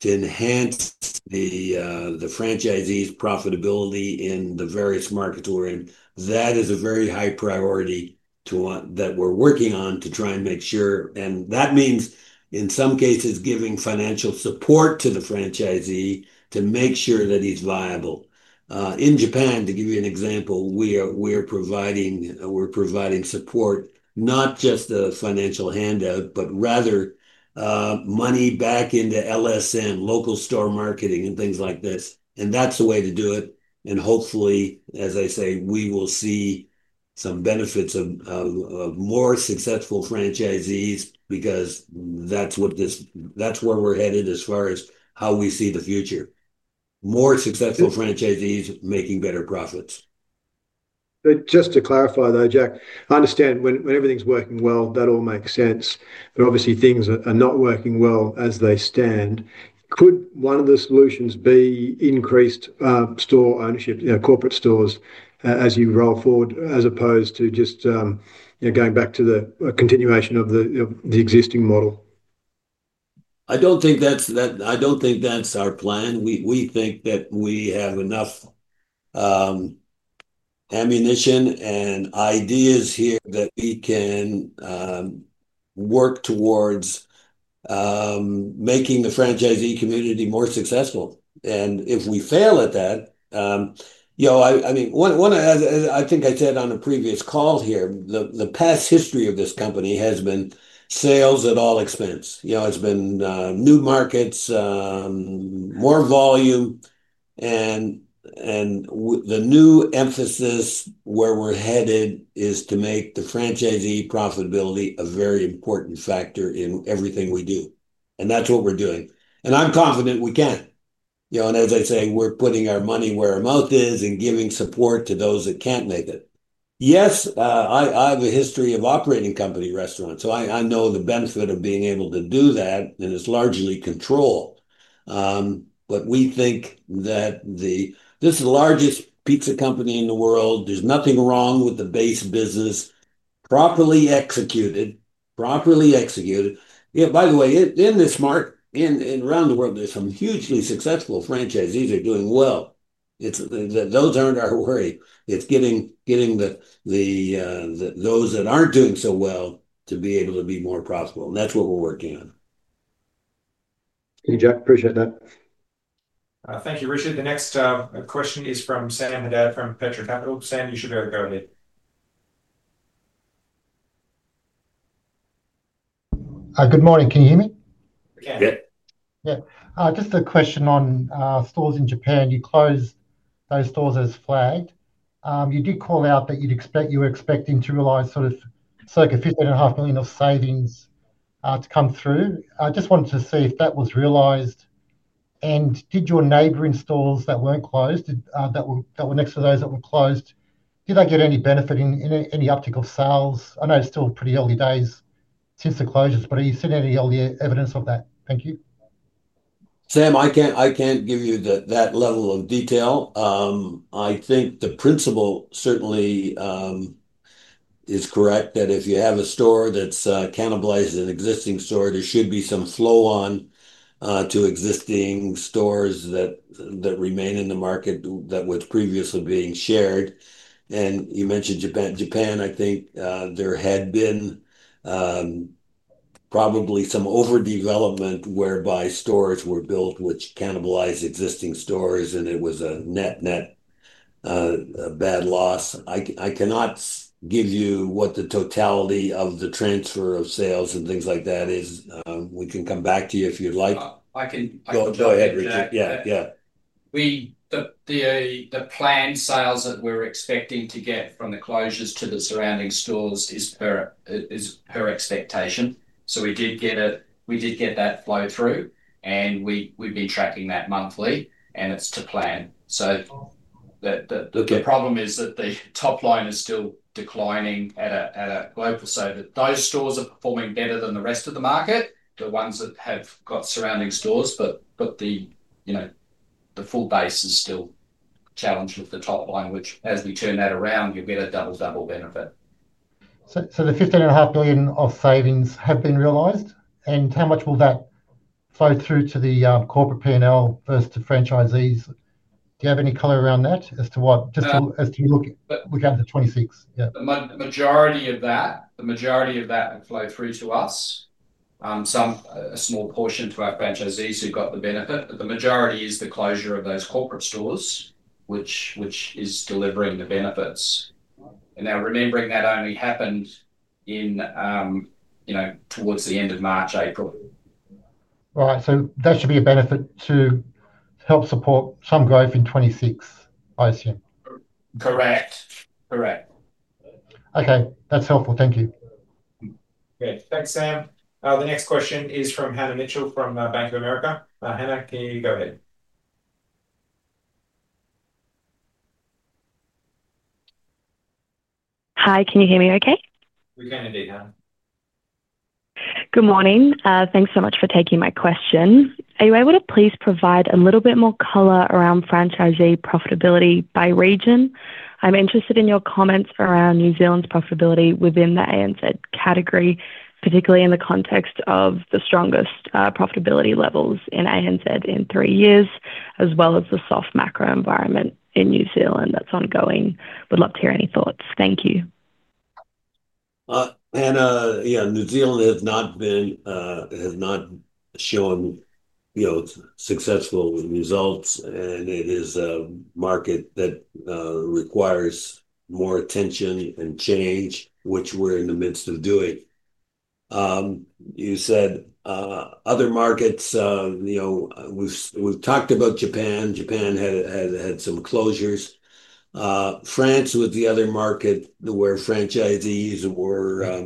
to enhance the franchisee's profitability in the various markets we're in. That is a very high priority that we're working on to try and make sure, and that means in some cases giving financial support to the franchisee to make sure that he's viable. In Japan, to give you an example, we are providing, we're providing support, not just a financial handout, but rather money back into LSM, Local Store Marketing, and things like this. That's the way to do it. Hopefully, as I say, we will see some benefits of more successful franchisees because that's what this, that's where we're headed as far as how we see the future. More successful franchisees making better profits. Just to clarify though, Jack, I understand when everything's working well, that all makes sense. Obviously, things are not working well as they stand. Could one of the solutions be increased store ownership, you know, corporate stores as you roll forward, as opposed to just, you know, going back to the continuation of the existing model? I don't think that's our plan. We think that we have enough ammunition and ideas here that we can work towards making the franchisee community more successful. If we fail at that, you know, I mean, I think I said on a previous call here, the past history of this company has been sales at all expense. It's been new markets, more volume, and the new emphasis where we're headed is to make the franchisee profitability a very important factor in everything we do. That's what we're doing. I'm confident we can. As I say, we're putting our money where our mouth is and giving support to those that can't make it. I have a history of operating company restaurants, so I know the benefit of being able to do that, and it's largely control. We think that this is the largest pizza company in the world. There's nothing wrong with the base business. Properly executed, properly executed. By the way, in this market, in around the world, there's some hugely successful franchisees who are doing well. Those aren't our worry. It's getting those that aren't doing so well to be able to be more profitable. That's what we're working on. Thank you, Jack. Appreciate that. Thank you, Richard. The next question is from Sam Haddad from Petra Capital. Sam, you should go ahead. Good morning. Can you hear me? Yeah. Yeah. Just a question on stores in Japan. You closed those stores as flagged. You did call out that you were expecting to realize sort of $15.5 million of savings to come through. I just wanted to see if that was realized. Did your neighboring stores that weren't closed, that were next to those that were closed, get any benefit in any uptick of sales? I know it's still pretty early days since the closures, but are you seeing any early evidence of that? Thank you. Sam, I can't give you that level of detail. I think the principle certainly is correct that if you have a store that's cannibalizing an existing store, there should be some flow-on to existing stores that remain in the market that were previously being shared. You mentioned Japan. Japan, I think there had been probably some overdevelopment whereby stores were built, which cannibalized existing stores, and it was a net net bad loss. I cannot give you what the totality of the transfer of sales and things like that is. We can come back to you if you'd like. We. Go ahead, Richard. We took, the planned sales that we're expecting to get from the closures to the surrounding stores as per expectation. We did get it. We did get that flow through, and we'd be tracking that monthly, and it's to plan. The problem is that the top line is still declining at a global side. Those stores are performing better than the rest of the market, the ones that have got surrounding stores, but the full base is still challenged with the top line, which as we turn that around, you get a double double benefit. The $15.5 billion of savings have been realized, and how much will that flow through to the corporate P&L versus the franchisees? Do you have any color around that as to what, just as to look at the 2026? The majority of that flowed through to us. Some, a small portion, to our franchisees who got the benefit, but the majority is the closure of those corporate stores, which is delivering the benefits. Now, remembering that only happened in, you know, towards the end of March, April. Right, so that should be a benefit to help support some growth in 2026 I assume. Correct. Okay, that's helpful. Thank you. The next question is from Hannah Mitchell from Bank of America. Hannah, can you go ahead? Hi, can you hear me okay? We can hear you, Hannah. Good morning. Thanks so much for taking my question. Are you able to please provide a little bit more color around franchisee profitability by region? I'm interested in your comments around New Zealand's profitability within the ANZ category, particularly in the context of the strongest profitability levels in ANZ in three years, as well as the soft macro environment in New Zealand that's ongoing. Would love to hear any thoughts. Thank you. Hannah, yeah, New Zealand has not shown successful results, and it is a market that requires more attention and change, which we're in the midst of doing. You said other markets, we've talked about Japan. Japan had had some closures. France was the other market where franchisees were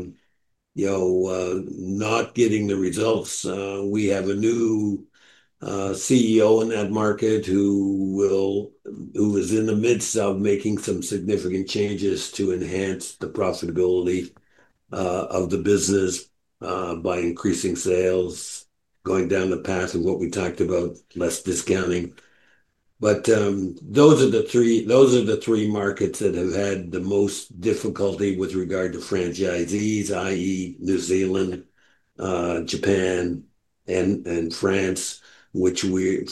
not getting the results. We have a new CEO in that market who is in the midst of making some significant changes to enhance the profitability of the business by increasing sales, going down the path of what we talked about, less discounting. Those are the three markets that have had the most difficulty with regard to franchisees, i.e. New Zealand, Japan, and France, which we're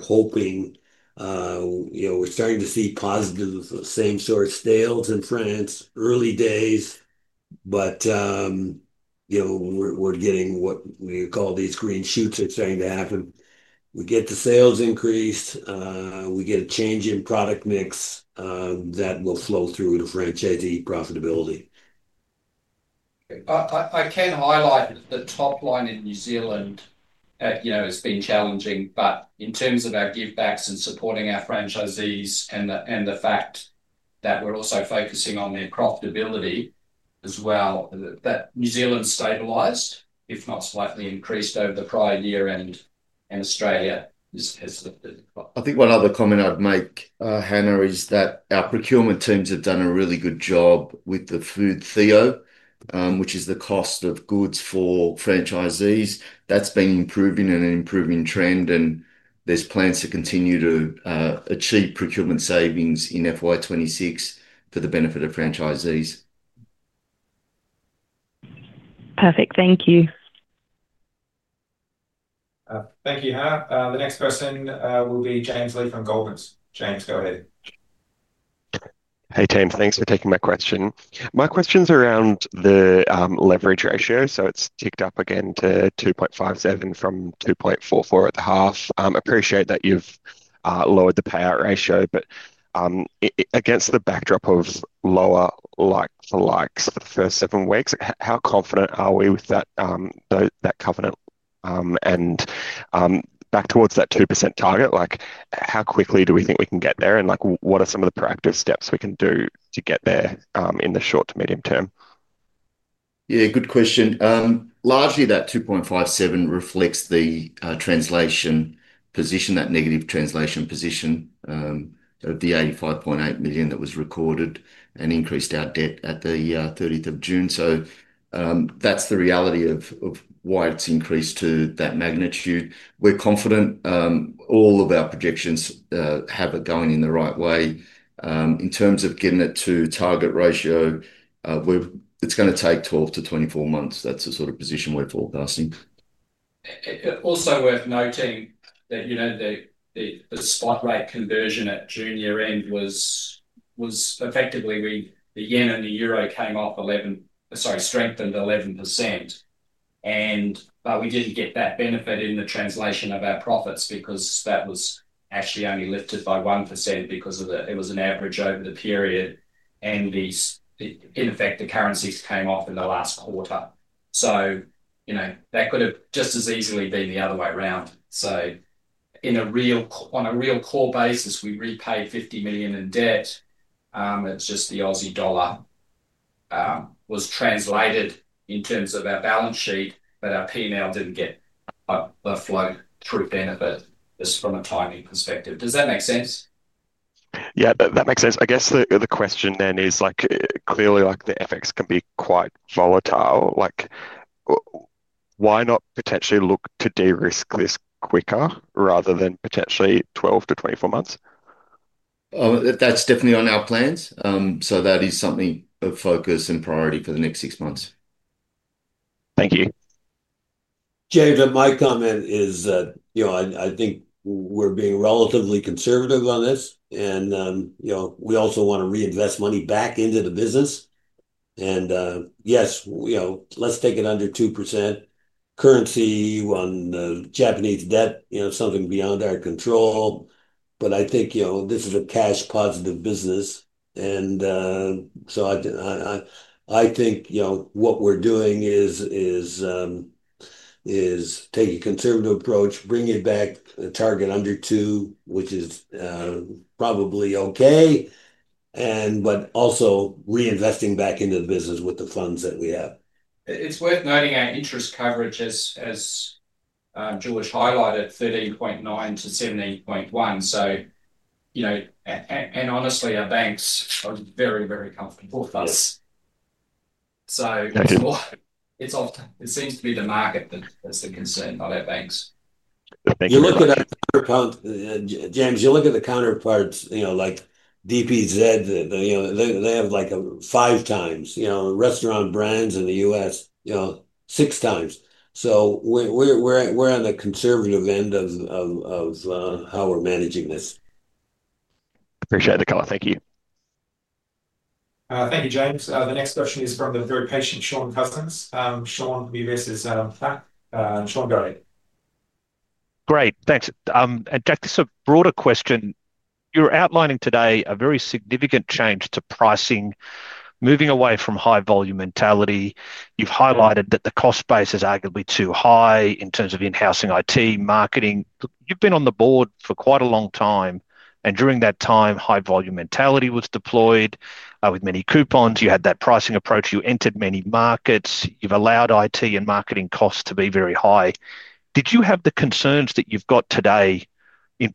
hoping, we're starting to see positive same-store sales in France, early days, but we're getting what we call these green shoots are starting to happen. We get the sales increase, we get a change in product mix that will flow through to franchisee profitability. I can highlight that the top line in New Zealand has been challenging, but in terms of our give-backs and supporting our franchisees and the fact that we're also focusing on their profitability as well, that New Zealand's stabilized, if not slightly increased over the prior year, and Australia has. I think one other comment I'd make, Hannah, is that our procurement teams have done a really good job with the food theo, which is the cost of goods for franchisees. That's been improving and an improving trend, and there's plans to continue to achieve procurement savings in FY2026 for the benefit of franchisees. Perfect, thank you. Thank you, Hannah. The next question will be James Lee from Goldman. James, go ahead. Hey team, thanks for taking my question. My question's around the net leverage ratio, so it's ticked up again to 2.57 from 2.44 at the half. Appreciate that you've lowered the payout ratio, but against the backdrop of lower like-for-likes for the first seven weeks, how confident are we with that covenant and back towards that 2% target? How quickly do we think we can get there and what are some of the practical steps we can do to get there in the short to medium term? Yeah, good question. Largely, that 2.57 reflects the translation position, that negative translation position. The $85.8 million that was recorded increased our debt at the 30th of June. That's the reality of why it's increased to that magnitude. We're confident all of our projections have it going in the right way. In terms of getting it to target ratio, it's going to take 12-24 months. That's the sort of position we're forecasting. Also, worth noting that the spot rate conversion at June year-end was effectively the yen and the euro strengthened 11%. We did get that benefit in the translation of our profits because that was actually only lifted by 1% because it was an average over the period. In effect, the currencies came off in the last quarter. That could have just as easily been the other way around. On a real core basis, we repaid $50 million in debt. It's just the Aussie dollar was translated in terms of our balance sheet, but our P&L didn't get a flow-through benefit just from a timing perspective. Does that make sense? Yeah, that makes sense. I guess the question then is, clearly, the FX can be quite volatile. Why not potentially look to de-risk this quicker rather than potentially 12-24 months? That's definitely on our plans. That is something of focus and priority for the next six months. Thank you. Javen, my comment is, I think we're being relatively conservative on this. We also want to reinvest money back into the business. Yes, let's take it under 2%. Currency on the Japanese debt is something beyond our control. I think this is a cash-positive business. What we're doing is taking a conservative approach, bringing it back to the target under 2%, which is probably okay, but also reinvesting back into the business with the funds that we have. It's worth noting our interest coverage is, as George highlighted, 30.9 to 70.1. Honestly, our banks are very, very comfortable with us. It seems to be the market that's a concern on our banks. You look at the counter, James, you look at the counterparts, you know, like DPZ, you know, they have like five times, you know, restaurant brands in the U.S., you know, 6x. We're on the conservative end of how we're managing this. Appreciate the color. Thank you. Thank you, James. The next question is from the very patient Shaun Cousins. Shaun, we see his hand. Shaun, go ahead. Great, thanks. Jack, this is a broader question. You're outlining today a very significant change to pricing, moving away from high volume mentality. You've highlighted that the cost base is arguably too high in terms of in-housing IT marketing. You've been on the board for quite a long time, and during that time, high volume mentality was deployed with many coupons. You had that pricing approach. You entered many markets. You've allowed IT and marketing costs to be very high. Did you have the concerns that you've got today in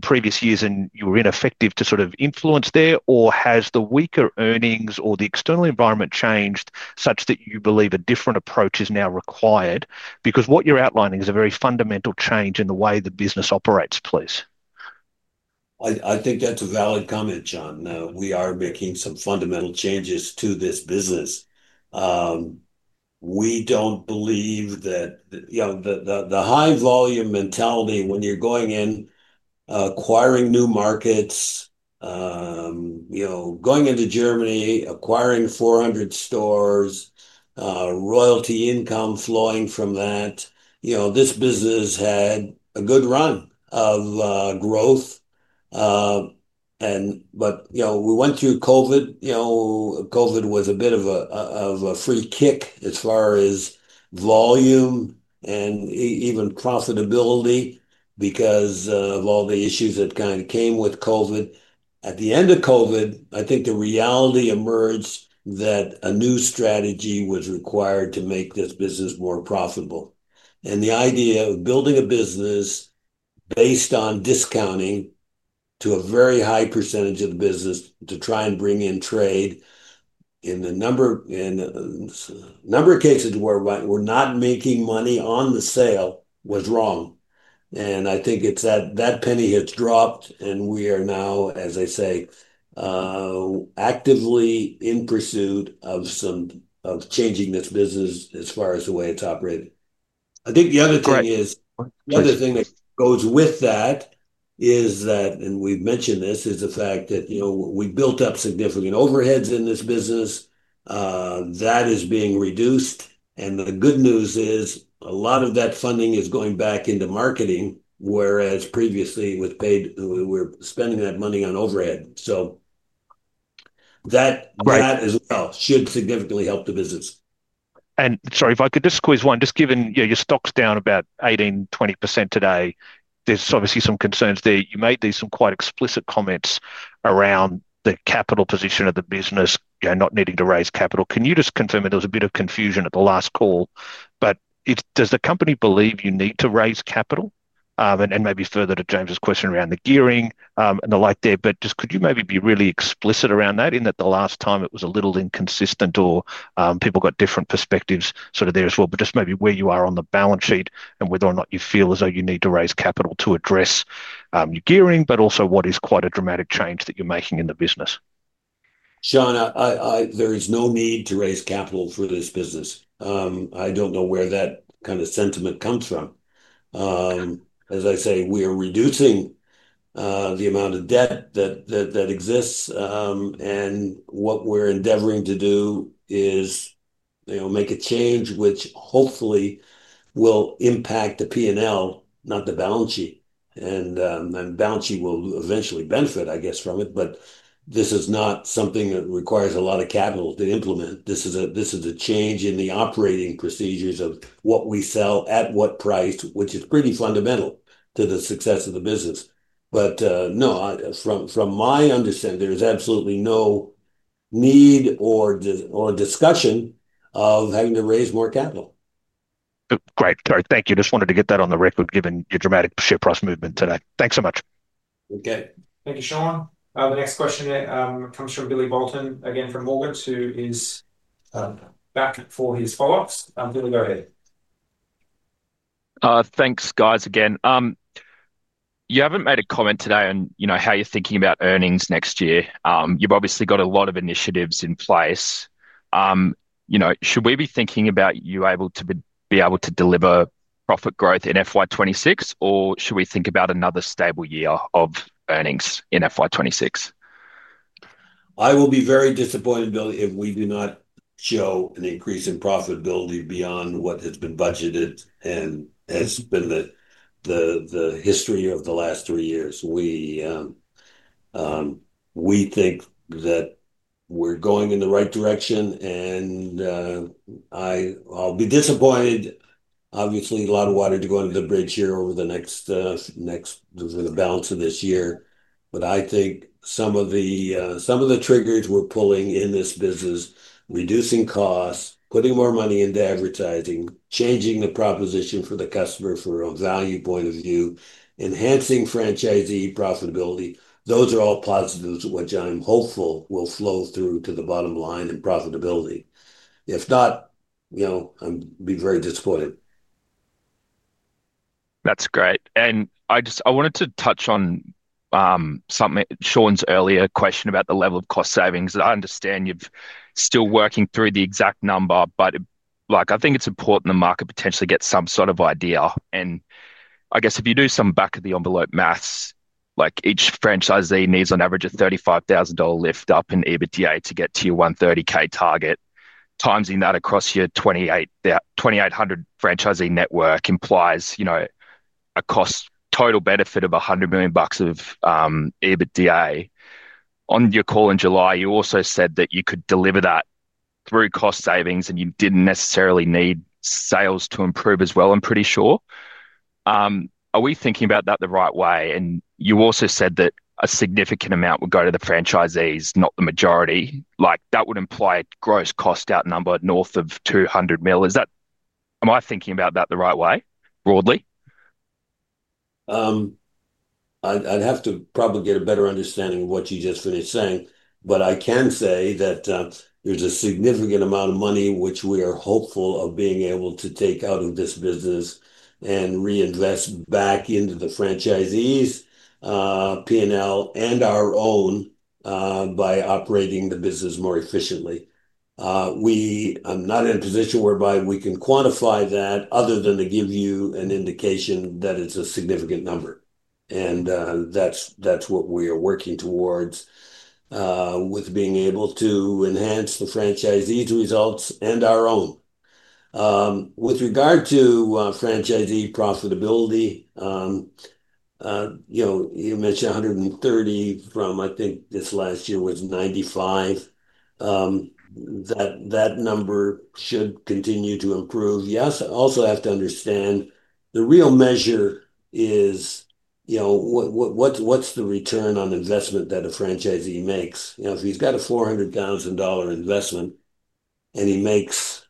previous years and you were ineffective to sort of influence there, or has the weaker earnings or the external environment changed such that you believe a different approach is now required? Because what you're outlining is a very fundamental change in the way the business operates, please. I think that's a valid comment, Sean. We are making some fundamental changes to this business. We don't believe that the high volume mentality, when you're going in, acquiring new markets, going into Germany, acquiring 400 stores, royalty income flowing from that, this business had a good run of growth. We went through COVID. COVID was a bit of a free kick as far as volume and even profitability because of all the issues that kind of came with COVID. At the end of COVID, I think the reality emerged that a new strategy was required to make this business more profitable. The idea of building a business based on discounting to a very high percentage of the business to try and bring in trade in the number of cases where we're not making money on the sale was wrong. I think it's that that penny has dropped, and we are now, as I say, actively in pursuit of some of changing this business as far as the way it's operating. The other thing that goes with that is that, and we've mentioned this, is the fact that we built up significant overheads in this business. That is being reduced, and the good news is a lot of that funding is going back into marketing, whereas previously we were spending that money on overhead. That as well should significantly help the business. Sorry, if I could just squeeze one, just given your stock's down about 18-20% today, there's obviously some concerns there. You made these quite explicit comments around the capital position of the business, you know, not needing to raise capital. Can you just confirm that there was a bit of confusion at the last call? Does the company believe you need to raise capital? Maybe further to James's question around the gearing and the like there, could you maybe be really explicit around that in that the last time it was a little inconsistent or people got different perspectives sort of there as well? Maybe where you are on the balance sheet and whether or not you feel as though you need to raise capital to address your gearing, but also what is quite a dramatic change that you're making in the business. Sean, there is no need to raise capital for this business. I don't know where that kind of sentiment comes from. As I say, we are reducing the amount of debt that exists, and what we're endeavoring to do is make a change which hopefully will impact the P&L, not the balance sheet. The balance sheet will eventually benefit, I guess, from it. This is not something that requires a lot of capital to implement. This is a change in the operating procedures of what we sell at what price, which is pretty fundamental to the success of the business. From my understanding, there is absolutely no need or discussion of having to raise more capital. Great, great. Thank you. I just wanted to get that on the record given your dramatic shift price movement today. Thanks so much. Okay. Thank you, Shaun. The next question comes from Billy Boulton again from Morgans, who is back for his follow-ups. Billy, go ahead. Thanks, guys, again. You haven't made a comment today on how you're thinking about earnings next year. You've obviously got a lot of initiatives in place. Should we be thinking about you able to be able to deliver profit growth in FY2026, or should we think about another stable year of earnings in FY2026? I will be very disappointed, Billy, if we do not show an increase in profitability beyond what has been budgeted and has been the history of the last three years. We think that we're going in the right direction, and I'll be disappointed. Obviously, a lot of water to go under the bridge here over the next, the balance of this year. I think some of the triggers we're pulling in this business, reducing costs, putting more money into advertising, changing the proposition for the customer from a value point of view, enhancing franchisee profitability, those are all positives of what I'm hopeful will flow through to the bottom line in profitability. If not, you know, I'd be very disappointed. That's great. I just wanted to touch on something Sean's earlier question about the level of cost savings. I understand you're still working through the exact number, but I think it's important the market potentially gets some sort of idea. I guess if you do some back-of-the-envelope math, each franchisee needs on average a $35,000 lift up in EBITDA to get to your $130,000 target. Timesing that across your 2,800 franchisee network implies a cost total benefit of $100 million of EBITDA. On your call in July, you also said that you could deliver that through cost savings and you didn't necessarily need sales to improve as well, I'm pretty sure. Are we thinking about that the right way? You also said that a significant amount would go to the franchisees, not the majority. That would imply a gross cost out number north of $200 million. Am I thinking about that the right way broadly? I'd have to probably get a better understanding of what you just finished saying. I can say that there's a significant amount of money which we are hopeful of being able to take out of this business and reinvest back into the franchisees, P&L, and our own by operating the business more efficiently. I'm not in a position whereby we can quantify that other than to give you an indication that it's a significant number. That's what we are working towards with being able to enhance the franchisee's results and our own. With regard to franchisee profitability, you mentioned 130 from, I think this last year was 95. That number should continue to improve. You also have to understand the real measure is, you know, what's the return on investment that a franchisee makes? If he's got a $400,000 investment and he makes,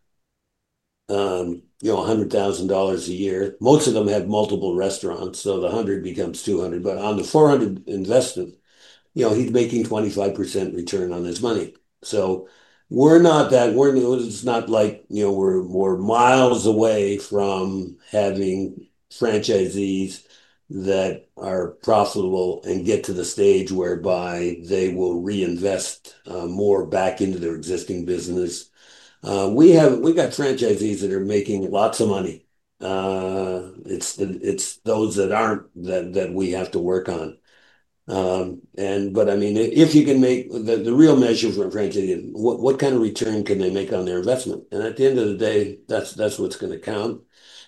you know, $100,000 a year, most of them have multiple restaurants, so the 100 becomes 200. On the 400 investment, you know, he's making 25% return on his money. We're not that, we're not like, you know, we're miles away from having franchisees that are profitable and get to the stage whereby they will reinvest more back into their existing business. We've got franchisees that are making lots of money. It's those that aren't that we have to work on. If you can make the real measure for a franchisee, what kind of return can they make on their investment? At the end of the day, that's what's going to count.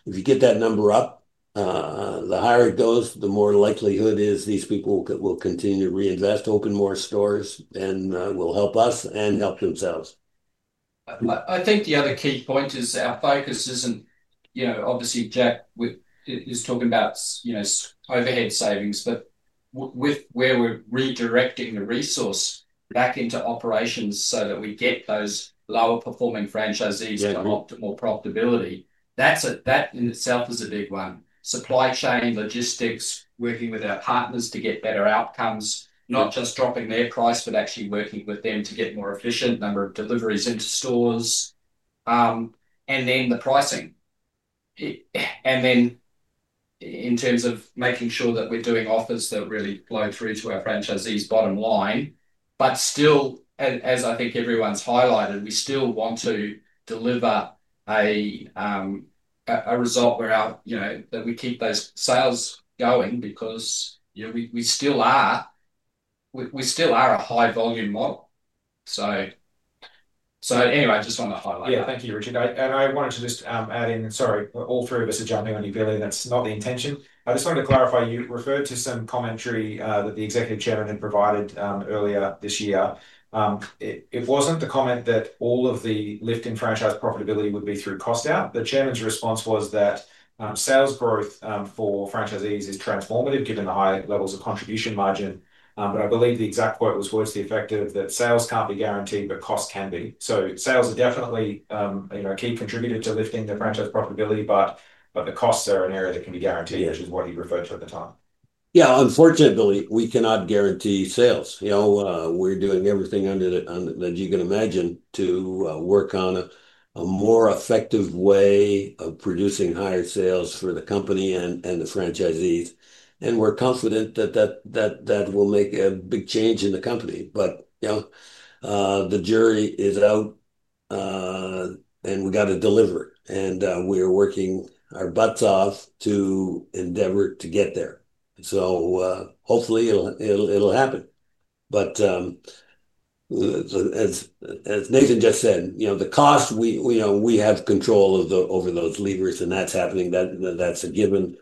If you get that number up, the higher it goes, the more likelihood is these people will continue to reinvest, open more stores, and will help us and help themselves. I think the other key point is that our focus isn't, you know, obviously Jack is talking about, you know, overhead savings, but we're redirecting the resource back into operations so that we get those lower-performing franchisees to have a lot more profitability. That in itself is a big one. Supply chain and logistics, working with our partners to get better outcomes, not just dropping their price, but actually working with them to get more efficient number of deliveries into stores. Then the pricing. In terms of making sure that we're doing offers that really flow through to our franchisees' bottom line. As I think everyone's highlighted, we still want to deliver a result where we keep those sales going because we still are a high volume model. I just wanted to highlight that. Thank you, Richard. I wanted to just add in, sorry, all three of us are jumping on you, Billy. That's not the intention. I just wanted to clarify, you referred to some commentary that the Executive Chairman had provided earlier this year. It wasn't the comment that all of the lift in franchise profitability would be through cost out. The Chairman's response was that sales growth for franchisees is transformative given the high levels of contribution margin. I believe the exact quote was voiced to the effect of that sales can't be guaranteed, but cost can be. Sales are definitely a key contributor to lifting the franchise profitability, but the costs are an area that can be guaranteed to what he referred to at the time. Yeah, unfortunately, we cannot guarantee sales. We're doing everything that you can imagine to work on a more effective way of producing higher sales for the company and the franchisees. We're confident that that will make a big change in the company. The jury is out and we got to deliver. We are working our butts off to endeavor to get there. Hopefully it'll happen. As Nathan just said, the cost, we have control over those levers and that's happening. That's a given.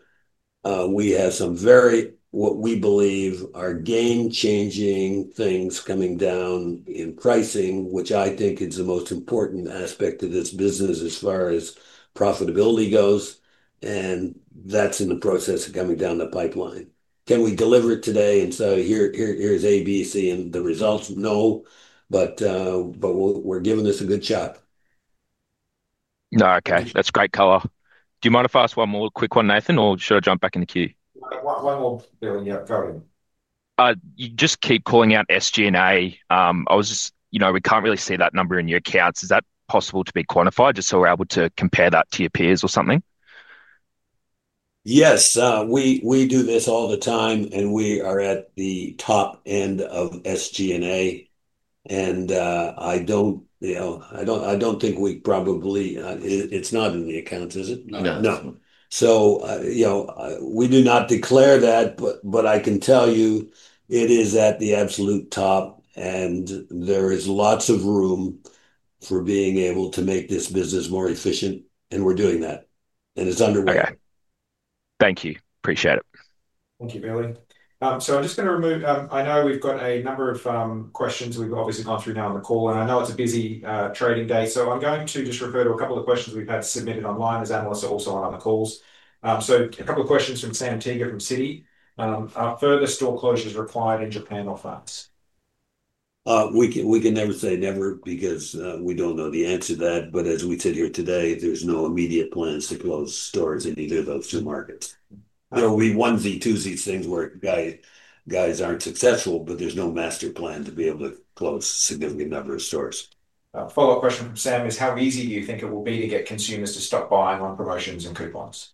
We have some very, what we believe, are game-changing things coming down in pricing, which I think is the most important aspect of this business as far as profitability goes. That's in the process of coming down the pipeline. Can we deliver it today and say, "Here's A, B, C, and the results?" No, but we're giving this a good shot. Okay, that's great color. Do you mind if I ask one more quick one, Nathan, or should I jump back in the queue? Go ahead. You just keep calling out SG&A. I was just, you know, we can't really see that number in your accounts. Is that possible to be quantified just so we're able to compare that to your peers or something? Yes, we do this all the time, and we are at the top end of SG&A. I don't think we probably, it's not in the accounts, is it? No. No, we do not declare that, but I can tell you it is at the absolute top and there is lots of room for being able to make this business more efficient, and we're doing that. It's underway. Okay, thank you. Appreciate it. Thank you, Billy. I'm just going to remove, I know we've got a number of questions that we've obviously gone through now on the call and I know it's a busy trading day. I'm going to just refer to a couple of questions we've had submitted online as analysts are also on other calls. A couple of questions from Sam Teeger from Citi. Are further store closures required in Japan or France? We can never say never because we don't know the answer to that. As we said here today, there's no immediate plans to close stores in either of those two markets. There we won the two these things where guys aren't successful, but there's no master plan to be able to close a significant number of stores. Follow-up question from Sam is how easy do you think it will be to get consumers to stop buying on promotions and coupons?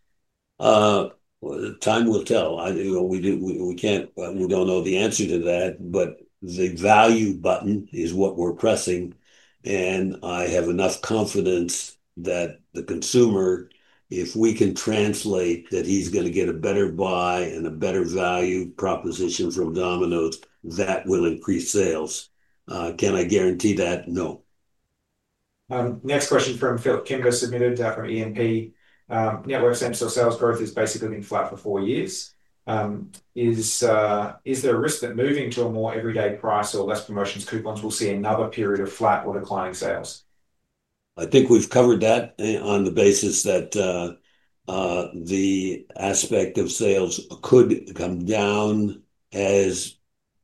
Time will tell. We can't, we don't know the answer to that, but the value button is what we're pressing. I have enough confidence that the consumer, if we can translate that he's going to get a better buy and a better value proposition from Domino's, that will increase sales. Can I guarantee that? No. Next question from Philip Kimber submitted that from E&P. Net worth sales growth has basically been flat for four years. Is there a risk that moving to a more everyday price or less promotions, coupons will see another period of flat or declining sales? I think we've covered that on the basis that the aspect of sales could come down as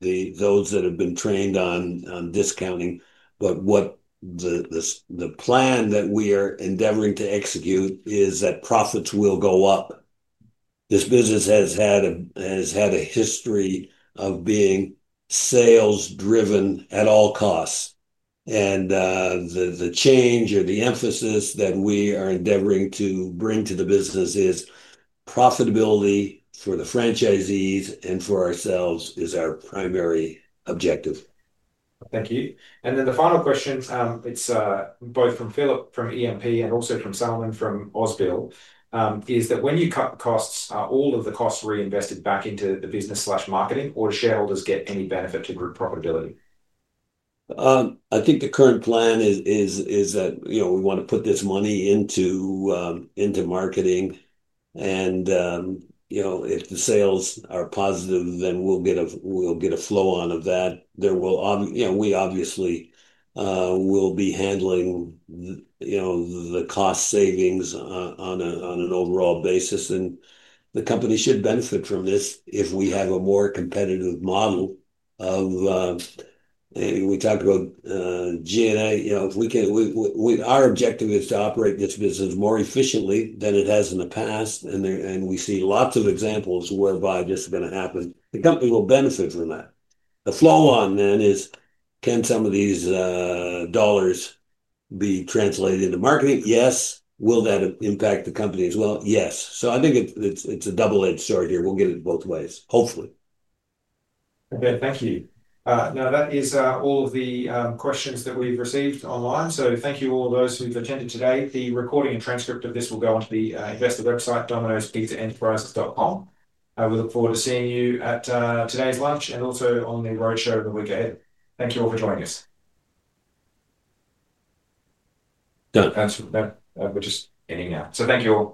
those that have been trained on discounting. What the plan that we are endeavoring to execute is that profits will go up. This business has had a history of being sales-driven at all costs. The change or the emphasis that we are endeavoring to bring to the business is profitability for the franchisees and for ourselves is our primary objective. Thank you. The final question, it's both from Philip from E&P and also from Salman from Ausbil, is that when you cut costs, are all of the costs reinvested back into the business/marketing or do shareholders get any benefit to group profitability? I think the current plan is that we want to put this money into marketing. If the sales are positive, then we'll get a flow-on of that. We obviously will be handling the cost savings on an overall basis, and the company should benefit from this if we have a more competitive model. We talked about SG&A. Our objective is to operate this business more efficiently than it has in the past, and we see lots of examples whereby this is going to happen. The company will benefit from that. The flow-on then is, can some of these dollars be translated into marketing? Yes. Will that impact the company as well? Yes. I think it's a double-edged sword here. We'll get it both ways, hopefully. Okay, thank you. Now that is all of the questions that we've received online. Thank you to all those who've attended today. The recording and transcript of this will go onto the investor website, dominoespizzaenterprises.com. We look forward to seeing you at today's lunch and also on the roadshow when we get it. Thank you all for joining us. Don't answer the bell. We're just heading out. Thank you all.